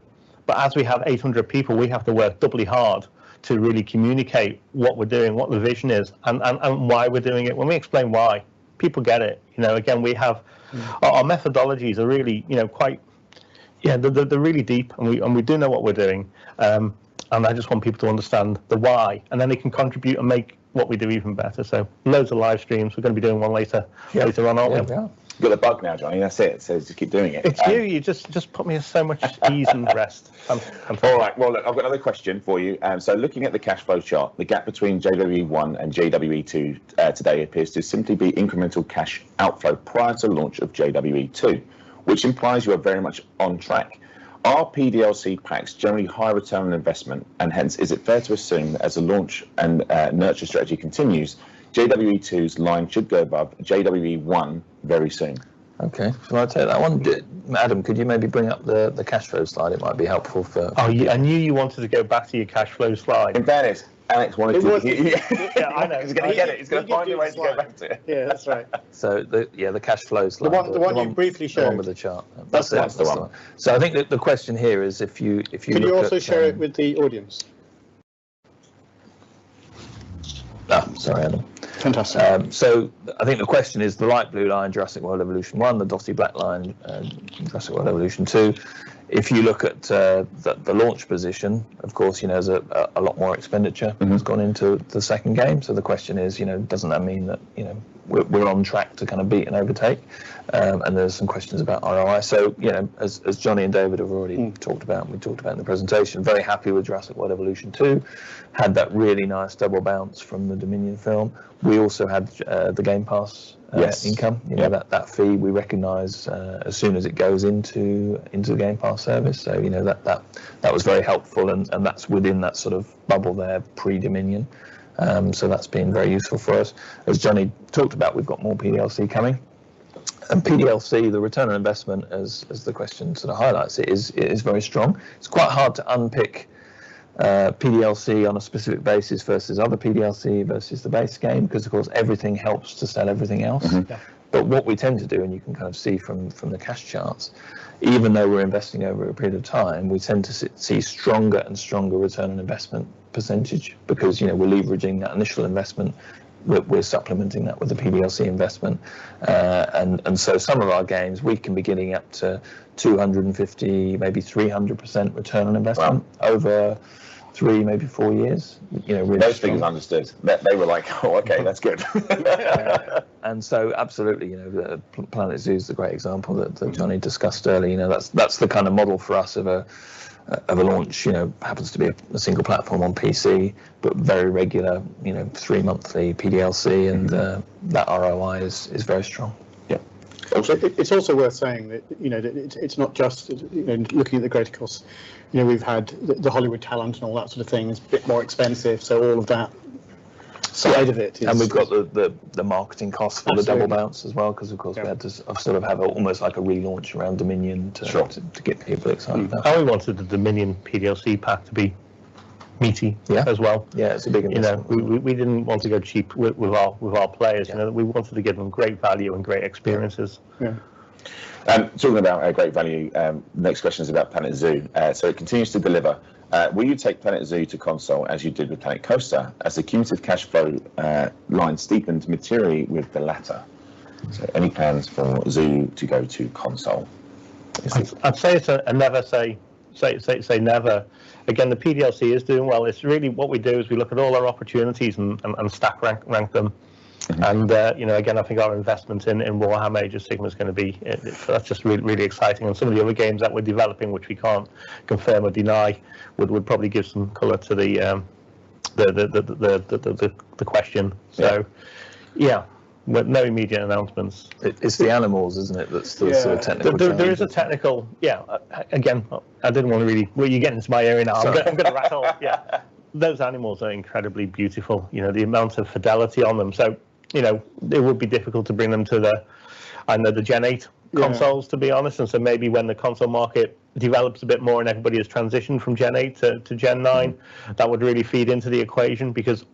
but as we have 800 people, we have to work doubly hard to really communicate what we're doing, what the vision is, and why we're doing it. When we explain why, people get it. You know, again, we have. Mm-hmm. Our methodologies are really, you know, quite. Yeah, they're really deep, and we do know what we're doing. I just want people to understand the why, and then they can contribute and make what we do even better. Loads of live streams. We're gonna be doing one later. Yeah Later on anyway. Yeah. You got the bug now, Jonny, that's it, so just keep doing it. It's you just put me at so much ease and rest. I'm fine. All right. Well, look, I've got another question for you. Looking at the cash flow chart, the gap between JWE1 and JWE2 today appears to simply be incremental cash outflow prior to launch of JWE2, which implies you are very much on track. Are PDLC packs generally higher return on investment, and hence is it fair to assume that as the launch and nurture strategy continues, JWE2's line should go above JWE1 very soon? Okay. Well, I'll tell you that one, Adam, could you maybe bring up the cash flow slide? It might be helpful for. Oh, yeah, I knew you wanted to go back to your cash flow slide. In fairness, Alex wanted to hear yeah. Yeah, I know. He's gonna get it. He's gonna find a way to go back to it. Yeah, that's right. Yeah, the cash flows slide. The one you briefly showed. The one with the chart. That's it. That's the one. That's the one. I think the question here is if you look at. Can you also share it with the audience? Sorry Adam. Fantastic. I think the question is the right blue line, Jurassic World Evolution 1, the dotted black line, Jurassic World Evolution 2. If you look at the launch position, of course, you know, there's a lot more expenditure. Mm-hmm has gone into the second game. The question is, you know, doesn't that mean that, you know, we're on track to kind of beat and overtake? There's some questions about ROI. You know, as Jonny and David have already- Mm talked about, and we talked about in the presentation, very happy with Jurassic World Evolution 2. Had that really nice double bounce from the Dominion film. We also had, the Game Pass- Yes income. Yeah. You know, that fee we recognize as soon as it goes into. Yeah The Game Pass service. You know, that was very helpful and that's within that sort of bubble there, pre-Dominion. That's been very useful for us. As Jonny talked about, we've got more PDLC coming. PDLC, the return on investment, as the question sort of highlights, it is very strong. It's quite hard to unpick PDLC on a specific basis versus other PDLC versus the base game, because of course everything helps to sell everything else. Mm-hmm. what we tend to do, and you can kind of see from the cash charts, even though we're investing over a period of time, we tend to see stronger and stronger return on investment percentage because, you know, we're leveraging that initial investment, we're supplementing that with the PDLC investment. Some of our games, we can be getting up to 250, maybe 300% return on investment. Wow Over 3, maybe 4 years. You know, really strong. Those things are understood. They were like, "Oh, okay, that's good. Yeah. Absolutely, you know, Planet Zoo is the great example that- Mm-hmm that Jonny discussed earlier. You know, that's the kind of model for us of a launch, you know, happens to be a single platform on PC, but very regular, you know, three monthly PDLC. Mm-hmm. That ROI is very strong. Yeah. So- It's also worth saying that, you know, it's not just, you know, looking at the greater costs. You know, we've had the Hollywood talent and all that sort of thing is a bit more expensive, so all of that side of it is. We've got the marketing costs for the double bounce as well. Absolutely because of course we had to sort of have almost like a relaunch around Dominion. Sure to get people excited about it. Mm-hmm. We wanted the Dominion PDLC pack to be meaty. Yeah as well. Yeah, it's a big investment. You know, we didn't want to go cheap with our players. Yeah. You know, we wanted to give them great value and great experiences. Yeah. Yeah Talking about our great value, next question's about Planet Zoo. It continues to deliver. Will you take Planet Zoo to console as you did with Planet Coaster? As accumulative cash flow line steepened materially with the latter. Any plans for Zoo to go to console? I'd say it's a never say never. Again, the PDLC is doing well. It's really what we do is we look at all our opportunities and stack rank them. Mm-hmm. You know, again, I think our investment in Warhammer Age of Sigmar's gonna be, that's just really exciting. Some of the other games that we're developing, which we can't confirm or deny, would probably give some color to the question. Yeah. Yeah, no immediate announcements. It's the animals, isn't it, that's the Yeah sort of technical challenge. There is a technical, yeah. Again, I didn't wanna really. Well, you're getting into my area now. I'm gonna rattle. Yeah. Those animals are incredibly beautiful. You know, the amount of fidelity on them. You know, it would be difficult to bring them to the, I know the Gen 8 consoles. Yeah to be honest, and so maybe when the console market develops a bit more and everybody has transitioned from Gen 8 to Gen 9, that would really feed into the equation. Because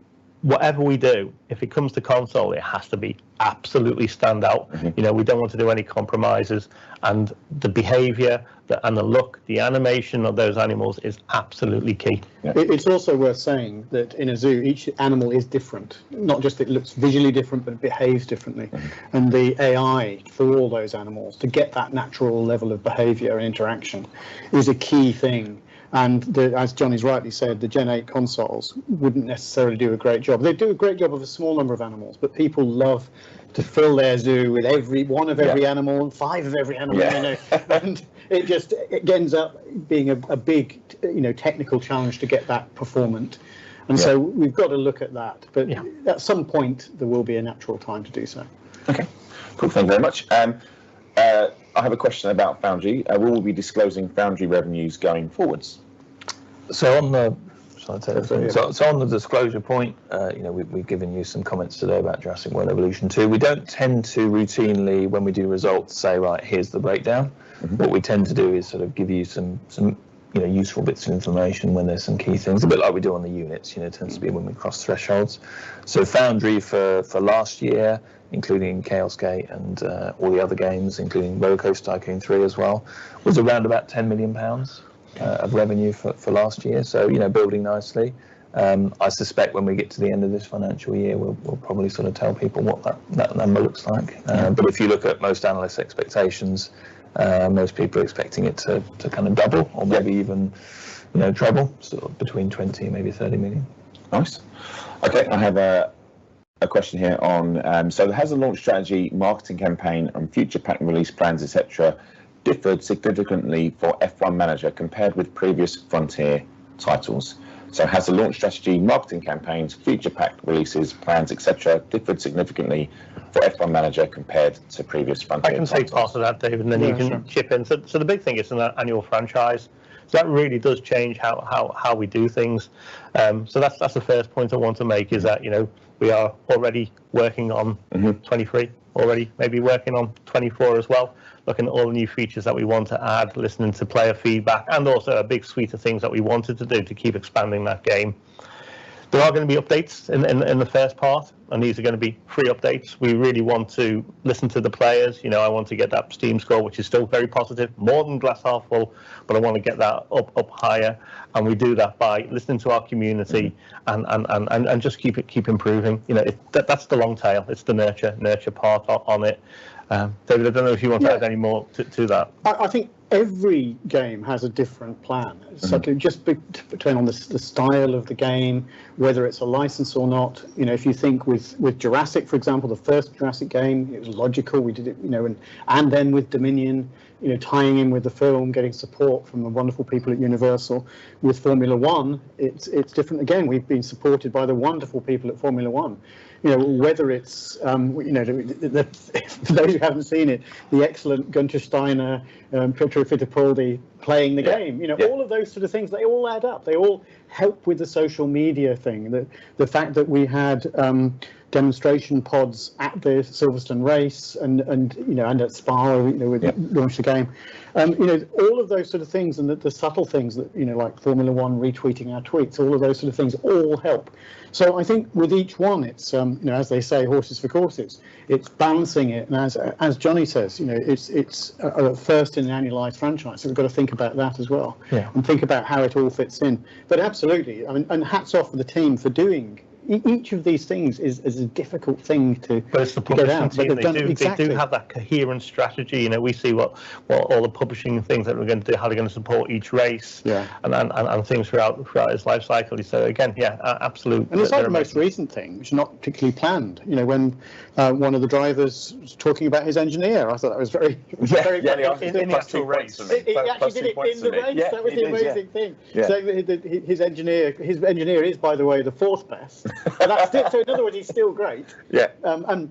whatever we do, if it comes to console, it has to be absolutely stand out. Mm-hmm. You know, we don't want to do any compromises, and the behavior, and the look, the animation of those animals is absolutely key. Yeah. It's also worth saying that in a zoo, each animal is different. Not just it looks visually different, but behaves differently. Mm-hmm. The AI for all those animals, to get that natural level of behavior interaction, is a key thing, and as Johnny's rightly said, the Gen 8 consoles wouldn't necessarily do a great job. They'd do a great job of a small number of animals, but people love to fill their zoo with every one of every animal. Yeah five of every animal. Yeah. It just ends up being a big, you know, technical challenge to get that performant. Yeah. We've gotta look at that. Yeah. At some point, there will be a natural time to do so. Okay. Cool, thank you very much. I have a question about Foundry. Will we be disclosing Foundry revenues going forwards? Shall I take this one, yeah? Yeah. On the disclosure point, you know, we've given you some comments today about Jurassic World Evolution 2. We don't tend to routinely, when we do results, say, "Right, here's the breakdown. Mm-hmm. What we tend to do is sort of give you some, you know, useful bits of information when there's some key things. Mm-hmm. A bit like we do on the units, you know? Mm-hmm. Tends to be when we cross thresholds. Frontier Foundry for last year, including Chaos Gate and all the other games, including RollerCoaster Tycoon 3 as well, was around about 10 million pounds of revenue for last year. You know, building nicely. I suspect when we get to the end of this financial year, we'll probably sort of tell people what that number looks like. Yeah. If you look at most analysts' expectations, most people are expecting it to kind of double. Mm Maybe even, you know, treble, sort of between 20 million and maybe 30 million. Has the launch strategy marketing campaigns, future pack releases, plans et cetera differed significantly for F1 Manager compared to previous Frontier titles? I can say part of that, Dave. Yeah, sure. then you can chip in. The big thing, it's an annual franchise, so that really does change how we do things. That's the first point I want to make. Mm is that, you know, we are already working on. Mm-hmm 2023 already. Maybe working on 2024 as well. Looking at all the new features that we want to add, listening to player feedback, and also a big suite of things that we wanted to do to keep expanding that game. There are gonna be updates in the first part, and these are gonna be free updates. We really want to listen to the players. You know, I want to get that Steam score, which is still very positive, more than glass half full, but I wanna get that up higher. We do that by listening to our community. Mm Just keep it improving. You know, that's the long tail. It's the nurture part on it. David, I don't know if you want to add. Yeah Any more to that. I think every game has a different plan. Mm. It can just be dependent on the style of the game, whether it's a license or not. You know, if you think of Jurassic, for example, the first Jurassic game, it was logical. We did it, you know. Then with Dominion, you know, tying in with the film, getting support from the wonderful people at Universal. With Formula 1, it's different again. We've been supported by the wonderful people at Formula 1. You know, whether it's the for those who haven't seen it, the excellent Guenther Steiner and Pietro Fittipaldi playing the game. Yeah. Yeah. You know, all of those sort of things, they all add up. They all help with the social media thing, that the fact that we had demonstration pods at the Silverstone race and, you know, and at Spa where. Yeah We launched the game. You know, all of those sort of things, and the subtle things that, you know, like Formula 1 retweeting our tweets, all of those sort of things all help. I think with each one it's, you know, as they say, horses for courses. It's balancing it. As Johnny says, you know, it's a first in an annualized franchise, so we've gotta think about that as well. Yeah. Think about how it all fits in. Absolutely, I mean, and hats off to the team for doing each of these things is a difficult thing to It's the to pull it out. They've done it. They do. Exactly... have that coherent strategy. You know, we see what all the publishing things that we're gonna do, how they're gonna support each race. Yeah. things throughout its life cycle. Again, yeah, absolutely that they're amazing. It's like the most recent thing, which is not particularly planned. You know, when one of the drivers was talking about his engineer, I thought that was very. Yeah. Very funny. In that two race for me. He actually did it in the race. Yeah. Yeah, he did, yeah. That was the amazing thing. Yeah. Saying that his engineer is, by the way, the fourth best. That's still great. In other words, he's still great. Yeah.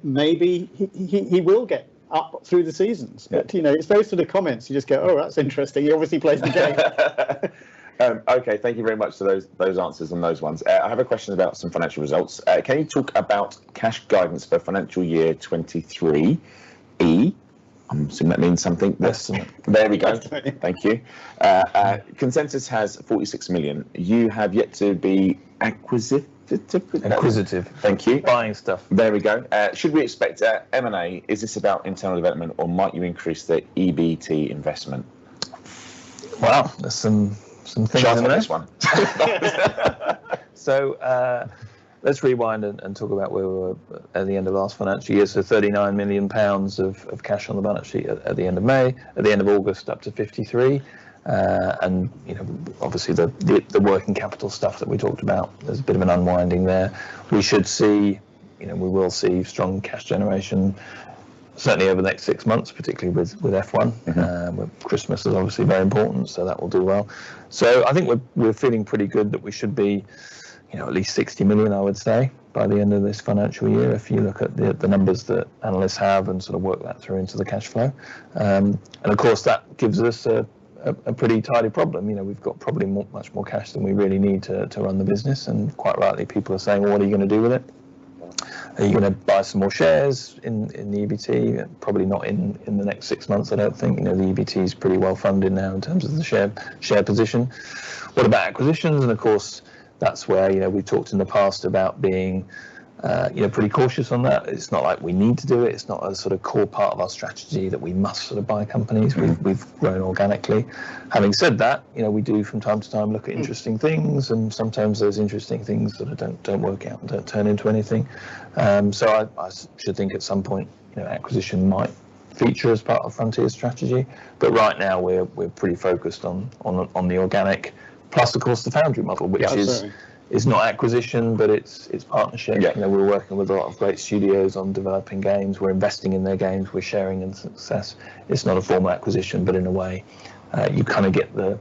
Maybe he will get up through the seasons. Yeah. You know, it's those sort of comments, you just go, "Oh, that's interesting. He obviously plays the game. Okay, thank you very much for those answers on those ones. I have a question about some financial results. Can you talk about cash guidance for financial year 2023E? I'm assuming that means something. Yes. There we go. Thank you. Consensus has 46 million. You have yet to be acquisit- Acquisitive. Thank you. Buying stuff. There we go. Should we expect M&A? Is this about internal development, or might you increase the EBT investment? Well, there's some things in the next one. Let's rewind and talk about where we were at the end of last financial year. 39 million pounds of cash on the balance sheet at the end of May. At the end of August, up to 53 million. You know, obviously, the working capital stuff that we talked about, there's a bit of an unwinding there. We should see, you know, we will see strong cash generation certainly over the next six months, particularly with F1. Mm-hmm. Christmas is obviously very important, so that will do well. I think we're feeling pretty good that we should be, you know, at least 60 million I would say by the end of this financial year. If you look at the numbers that analysts have and sort of work that through into the cash flow. Of course, that gives us a pretty tidy problem. You know, we've got probably more, much more cash than we really need to run the business, and quite rightly, people are saying, "Well, what are you gonna do with it? Are you gonna buy some more shares in the EBT?" Probably not in the next six months I don't think. You know, the EBT's pretty well-funded now in terms of the share position. What about acquisitions? Of course, that's where, you know, we've talked in the past about being, you know, pretty cautious on that. It's not like we need to do it. It's not a sort of core part of our strategy that we must sort of buy companies. Mm-hmm. We've grown organically. Having said that, you know, we do from time to time look at interesting things. Mm Sometimes those interesting things sort of don't work out and don't turn into anything. I should think at some point, you know, acquisition might feature as part of Frontier's strategy, but right now we're pretty focused on the organic. Plus, of course, the foundry model, which is Yeah, absolutely. Is not acquisition, but it's partnership. Yeah. You know, we're working with a lot of great studios on developing games. We're investing in their games. We're sharing in success. It's not a formal acquisition, but in a way, you kind of get the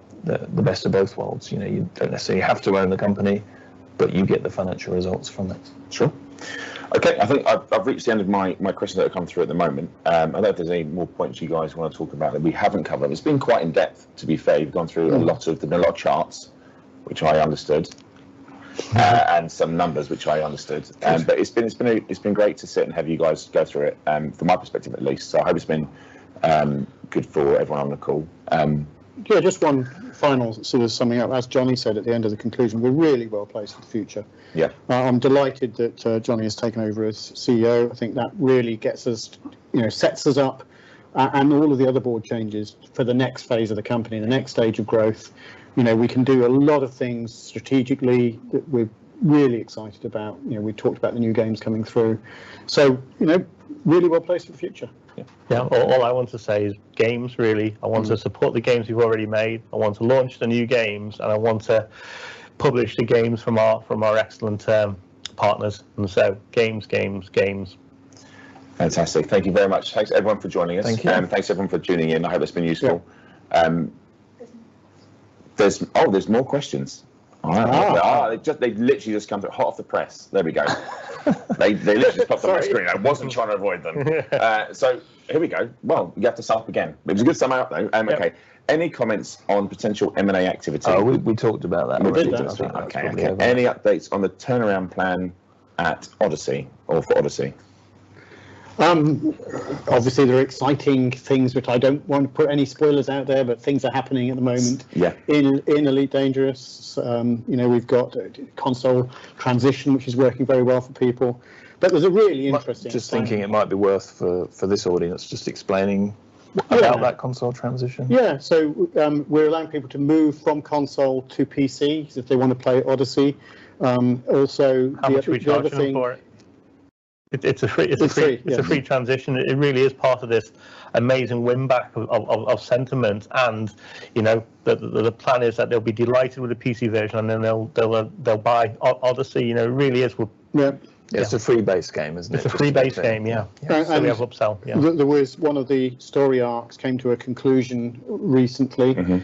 best of both worlds. You know, you don't necessarily have to own the company, but you get the financial results from it. Sure. Okay. I think I've reached the end of my questions that I've gone through at the moment. I don't know if there's any more points you guys wanna talk about that we haven't covered. It's been quite in-depth to be fair. You've gone through. Mm A lot of charts, which I understood. Some numbers, which I understood. Good. It's been great to sit and have you guys go through it, from my perspective at least. I hope it's been good for everyone on the call. Yeah. Just one final sort of summing up. As Jonny said at the end of the conclusion, we're really well-placed for the future. Yeah. I'm delighted that Jonny has taken over as CEO. I think that really gets us, you know, sets us up and all of the other board changes, for the next phase of the company, the next stage of growth. You know, we can do a lot of things strategically that we're really excited about. You know, we talked about the new games coming through, so you know, really well-placed for the future. Yeah. Yeah. All I want to say is games really. Mm. I want to support the games we've already made, I want to launch the new games, and I want to publish the games from our excellent partners. Games. Fantastic. Thank you very much. Thanks everyone for joining us. Thank you. Thanks everyone for tuning in. I hope that's been useful. Yeah. Um- There's more questions. There's more questions. Oh. Wow. They are. They just, they've literally just come through. Half the press. There we go. They literally just popped on the screen. Sorry. I wasn't trying to avoid them. Yeah. Here we go. Well, you have to start up again. It was a good sum up though. Okay. Yeah. Any comments on potential M&A activity? Oh, we talked about that. We did actually. Okay. Any updates on the turnaround plan at Odyssey or for Odyssey? Obviously, there are exciting things, which I don't want to put any spoilers out there, but things are happening at the moment. Yeah in Elite Dangerous. You know, we've got console transition, which is working very well for people. That was a really interesting plan. I'm just thinking it might be worth, for this audience, just explaining. Oh, yeah. About that console transition. We're allowing people to move from console to PC if they wanna play Odyssey. Also, the other thing- How much are we charging for it? It's a free- It's free, yeah. It's a free transition. It really is part of this amazing win back of sentiment and, you know, the plan is that they'll be delighted with the PC version, and then they'll buy Odyssey. You know, it really is. Yeah. Yeah. It's a free base game, isn't it? It's a free base game, yeah. And, and- We have upsell, yeah. There was one of the story arcs came to a conclusion recently. Mm-hmm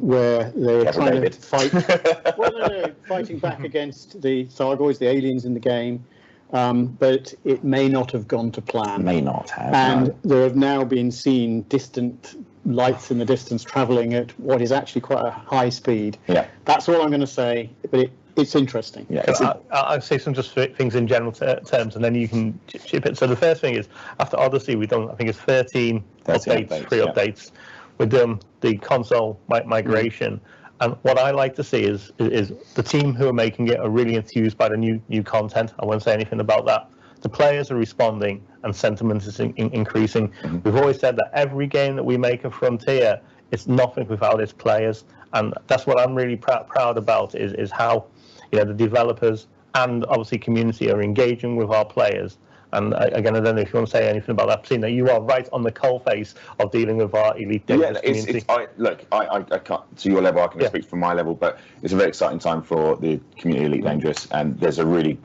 where they're trying to fight. Get David. Well, no, fighting back against the Thargoids, the aliens in the game. It may not have gone to plan. May not have, no. They have now been seen, distant, lights in the distance traveling at what is actually quite a high speed. Yeah. That's all I'm gonna say, but it's interesting. Yeah. It's, I'll say some just things in general terms, and then you can chip in. The first thing is after Odyssey, we've done I think it's 13 updates. 13 updates, yeah. Free updates. We've done the console migration. Mm. What I like to see is the team who are making it are really enthused by the new content. I won't say anything about that. The players are responding and sentiment is increasing. Mm-hmm. We've always said that every game that we make at Frontier, it's nothing without its players, and that's what I'm really proud about, is how, you know, the developers and obviously community are engaging with our players. Again, I don't know if you wanna say anything about that, Selena. You are right on the coal face of dealing with our Elite Dangerous community. Yeah. It's. Look, I can't to your level I can. Yeah I speak from my level. It's a very exciting time for the community of Elite Dangerous, and there's a really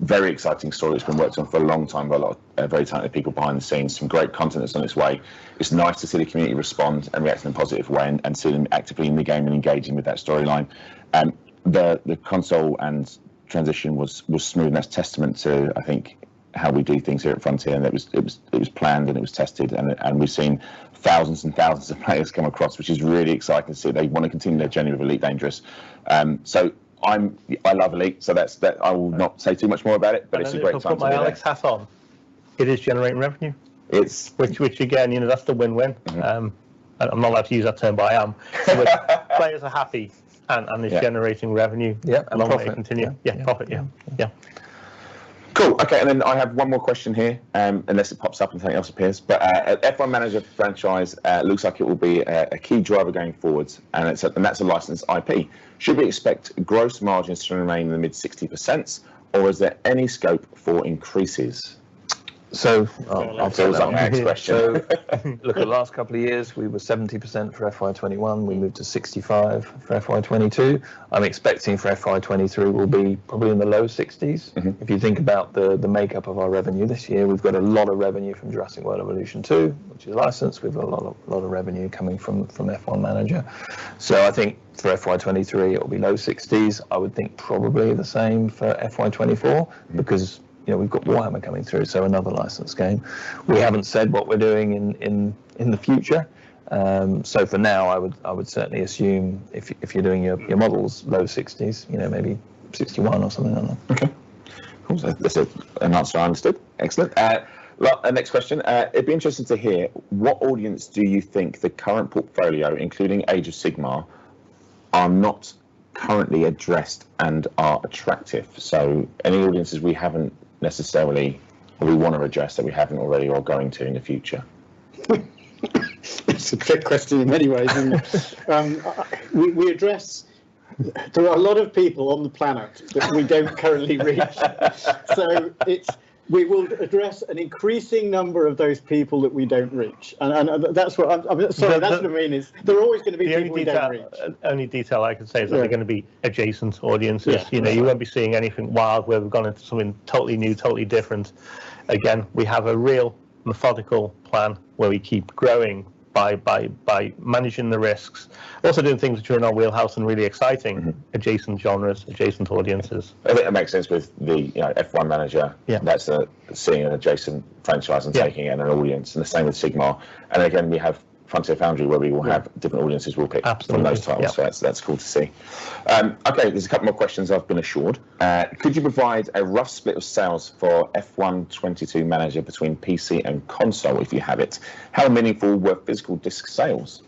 very exciting story that's been worked on for a long time by a lot of very talented people behind the scenes. Some great content that's on its way. It's nice to see the community respond and react in a positive way and see them actively in the game and engaging with that storyline. The console and transition was smooth, and that's a testament to, I think, how we do things here at Frontier. It was planned, and it was tested, and we've seen thousands and thousands of players come across, which is really exciting to see. They wanna continue their journey with Elite Dangerous. So I love Elite, so that's that. I will not say too much more about it, but it's a great time to be there. I will put my Alex hat on. It is generating revenue. It's- Which again, you know, that's the win-win. Mm-hmm. I'm not allowed to use that term, but I am. The players are happy and it's generating revenue. Yeah. Long may it continue. Profit, yeah. Yeah, profit, yeah. Yeah. Cool. Okay, then I have one more question here, unless it pops up and something else appears. F1 Manager franchise looks like it will be a key driver going forward, and it's and that's a licensed IP. Should we expect gross margins to remain in the mid-60%, or is there any scope for increases? So, um- I'll take that one. I'll throw that one at you. Look, the last couple of years we were 70% for FY21, we moved to 65% for FY22. I'm expecting for FY23 will be probably in the low 60s%. Mm-hmm. If you think about the makeup of our revenue this year, we've got a lot of revenue from Jurassic World Evolution 2, which is licensed. We've got a lot of revenue coming from F1 Manager. I think for FY2023 it'll be low 60s. I would think probably the same for FY2024. Mm Because, you know, we've got Warhammer coming through, so another licensed game. We haven't said what we're doing in the future, so for now, I would certainly assume if you're doing your- Mm Your models, low 60s%. You know, maybe 61% or something like that. Okay. Cool, so that's it announced and understood. Excellent. Well, next question. It'd be interesting to hear what audience do you think the current portfolio, including Age of Sigmar, are not currently addressed and are attractive? Any audiences we haven't necessarily, or we wanna address that we haven't already or going to in the future? It's a trick question in many ways, isn't it? There are a lot of people on the planet that we don't currently reach. It's we will address an increasing number of those people that we don't reach. Sorry, that's what I mean is. The, the- There are always gonna be people we don't reach. The only detail I can say is- Right That they're gonna be adjacent audiences. Yeah. Mm. You know, you won't be seeing anything wild where we've gone into something totally new, totally different. Again, we have a real methodical plan where we keep growing by managing the risks. Also doing things which are in our wheelhouse and really exciting. Mm Adjacent genres, adjacent audiences. It makes sense with the, you know, F1 Manager. Yeah. Seeing an adjacent franchise. Yeah Taking in an audience, and the same with Sigmar. Again, we have Frontier Foundry where we will have Yeah different audiences we'll pick- Absolutely, yeah. From those titles, that's cool to see. Okay, there's a couple more questions I've been assured. Could you provide a rough split of sales for F1 '22 Manager between PC and console if you have it? How meaningful were physical disc sales?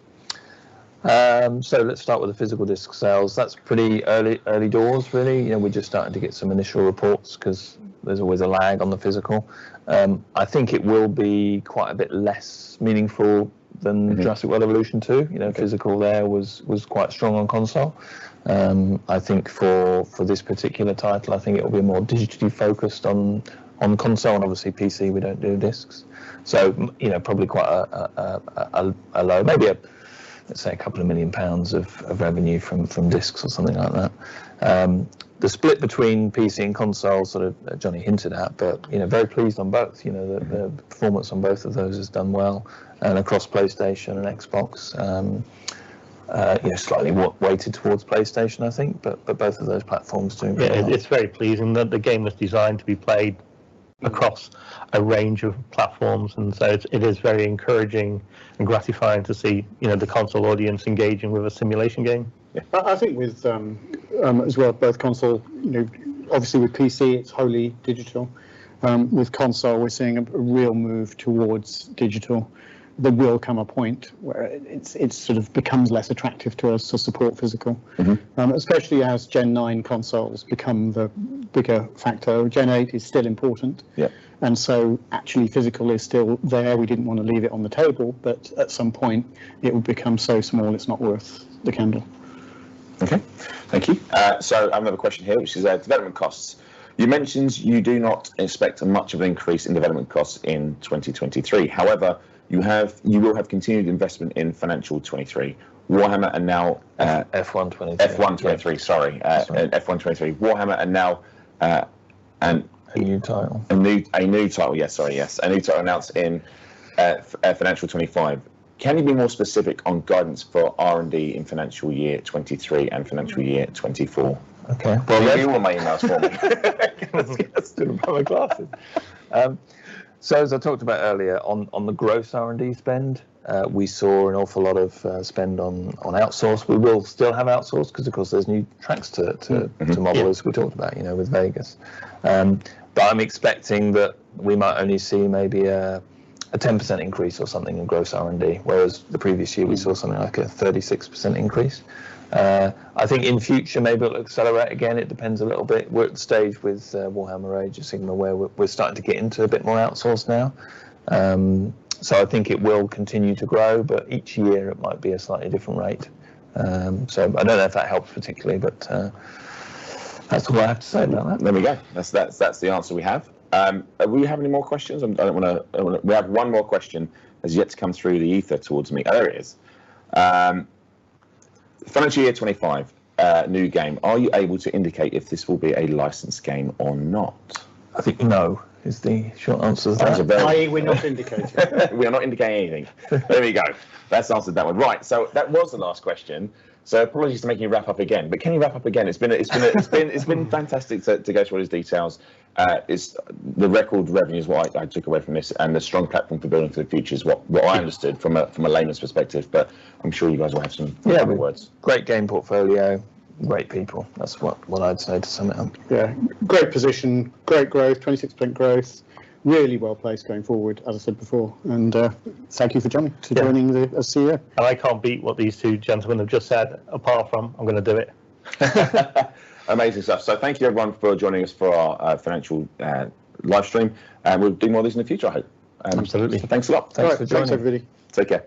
Let's start with the physical disc sales. That's pretty early doors really. You know, we're just starting to get some initial reports, 'cause there's always a lag on the physical. I think it will be quite a bit less meaningful than- Mm Jurassic World Evolution 2. Okay. You know, physical there was quite strong on console. I think for this particular title, I think it'll be more digitally focused on console, and obviously PC we don't do discs. You know, probably quite a low, maybe let's say 2 million pounds of revenue from discs or something like that. The split between PC and console, sort of Jonny Watts hinted at, but you know, very pleased on both. Mm The performance on both of those has done well. Across PlayStation and Xbox, you know, slightly weighted towards PlayStation I think, but both of those platforms doing very well. Yeah, it's very pleasing. The game was designed to be played across Mm A range of platforms, and so it is very encouraging and gratifying to see, you know, the console audience engaging with a simulation game. Yeah. I think with as well with both console, you know, obviously with PC it's wholly digital. With console we're seeing a real move towards digital. There will come a point where it sort of becomes less attractive to us to support physical. Mm-hmm. Especially as Gen 9 consoles become the bigger factor. Gen 8 is still important. Yeah Actually physical is still there. We didn't wanna leave it on the table, but at some point it will become so small it's not worth the candle. Okay. Thank you. I have another question here, which is, development costs. You mentioned you do not expect much of an increase in development costs in 2023. However, you will have continued investment in financial '23. Warhammer and now, F1 2023 F1 2023, sorry. That's all right. F1 '23, Warhammer, and now, A new title. Yeah, sorry, yes. A new title announced in financial 2025. Can you be more specific on guidance for R&D in financial year 2023 and financial year 2024? Okay. Well, maybe. Well, you wrote my emails for me. Let's get some proper glasses. As I talked about earlier, on the gross R&D spend, we saw an awful lot of spend on outsource. We will still have outsource, 'cause of course there's new tracks to To model, as we talked about, you know, with Vegas. I'm expecting that we might only see maybe a 10% increase or something in gross R&D, whereas the previous year we saw something like a 36% increase. I think in future maybe it'll accelerate again. It depends a little bit. We're at the stage with Warhammer Age of Sigmar where we're starting to get into a bit more outsourcing now. I think it will continue to grow, but each year it might be a slightly different rate. I don't know if that helps particularly, but that's all I have to say about that. There we go. That's the answer we have. We have any more questions? We have one more question that's yet to come through the ether towards me. Oh, there it is. Financial year 2025, new game, are you able to indicate if this will be a licensed game or not? I think no is the short answer there. We're not indicating. We are not indicating anything. There we go. That's answered that one. Right, that was the last question, so apologies for making you wrap up again. Can you wrap up again? It's been fantastic to go through all these details. It's the record revenue is what I took away from this, and the strong platform for building for the future is what I understood. Yeah From a layman's perspective, but I'm sure you guys will have some other words. Yeah. Great game portfolio, great people. That's what I'd say to sum it up. Yeah. Great position, great growth, 26% growth. Really well-placed going forward, as I said before. Thank you for joining. Yeah. For joining this year. I can't beat what these two gentlemen have just said, apart from I'm gonna do it. Amazing stuff. Thank you everyone for joining us for our financial live stream, and we'll do more of this in the future I hope. Absolutely. Thanks a lot. All right. Thanks for joining. Thanks, everybody. Take care.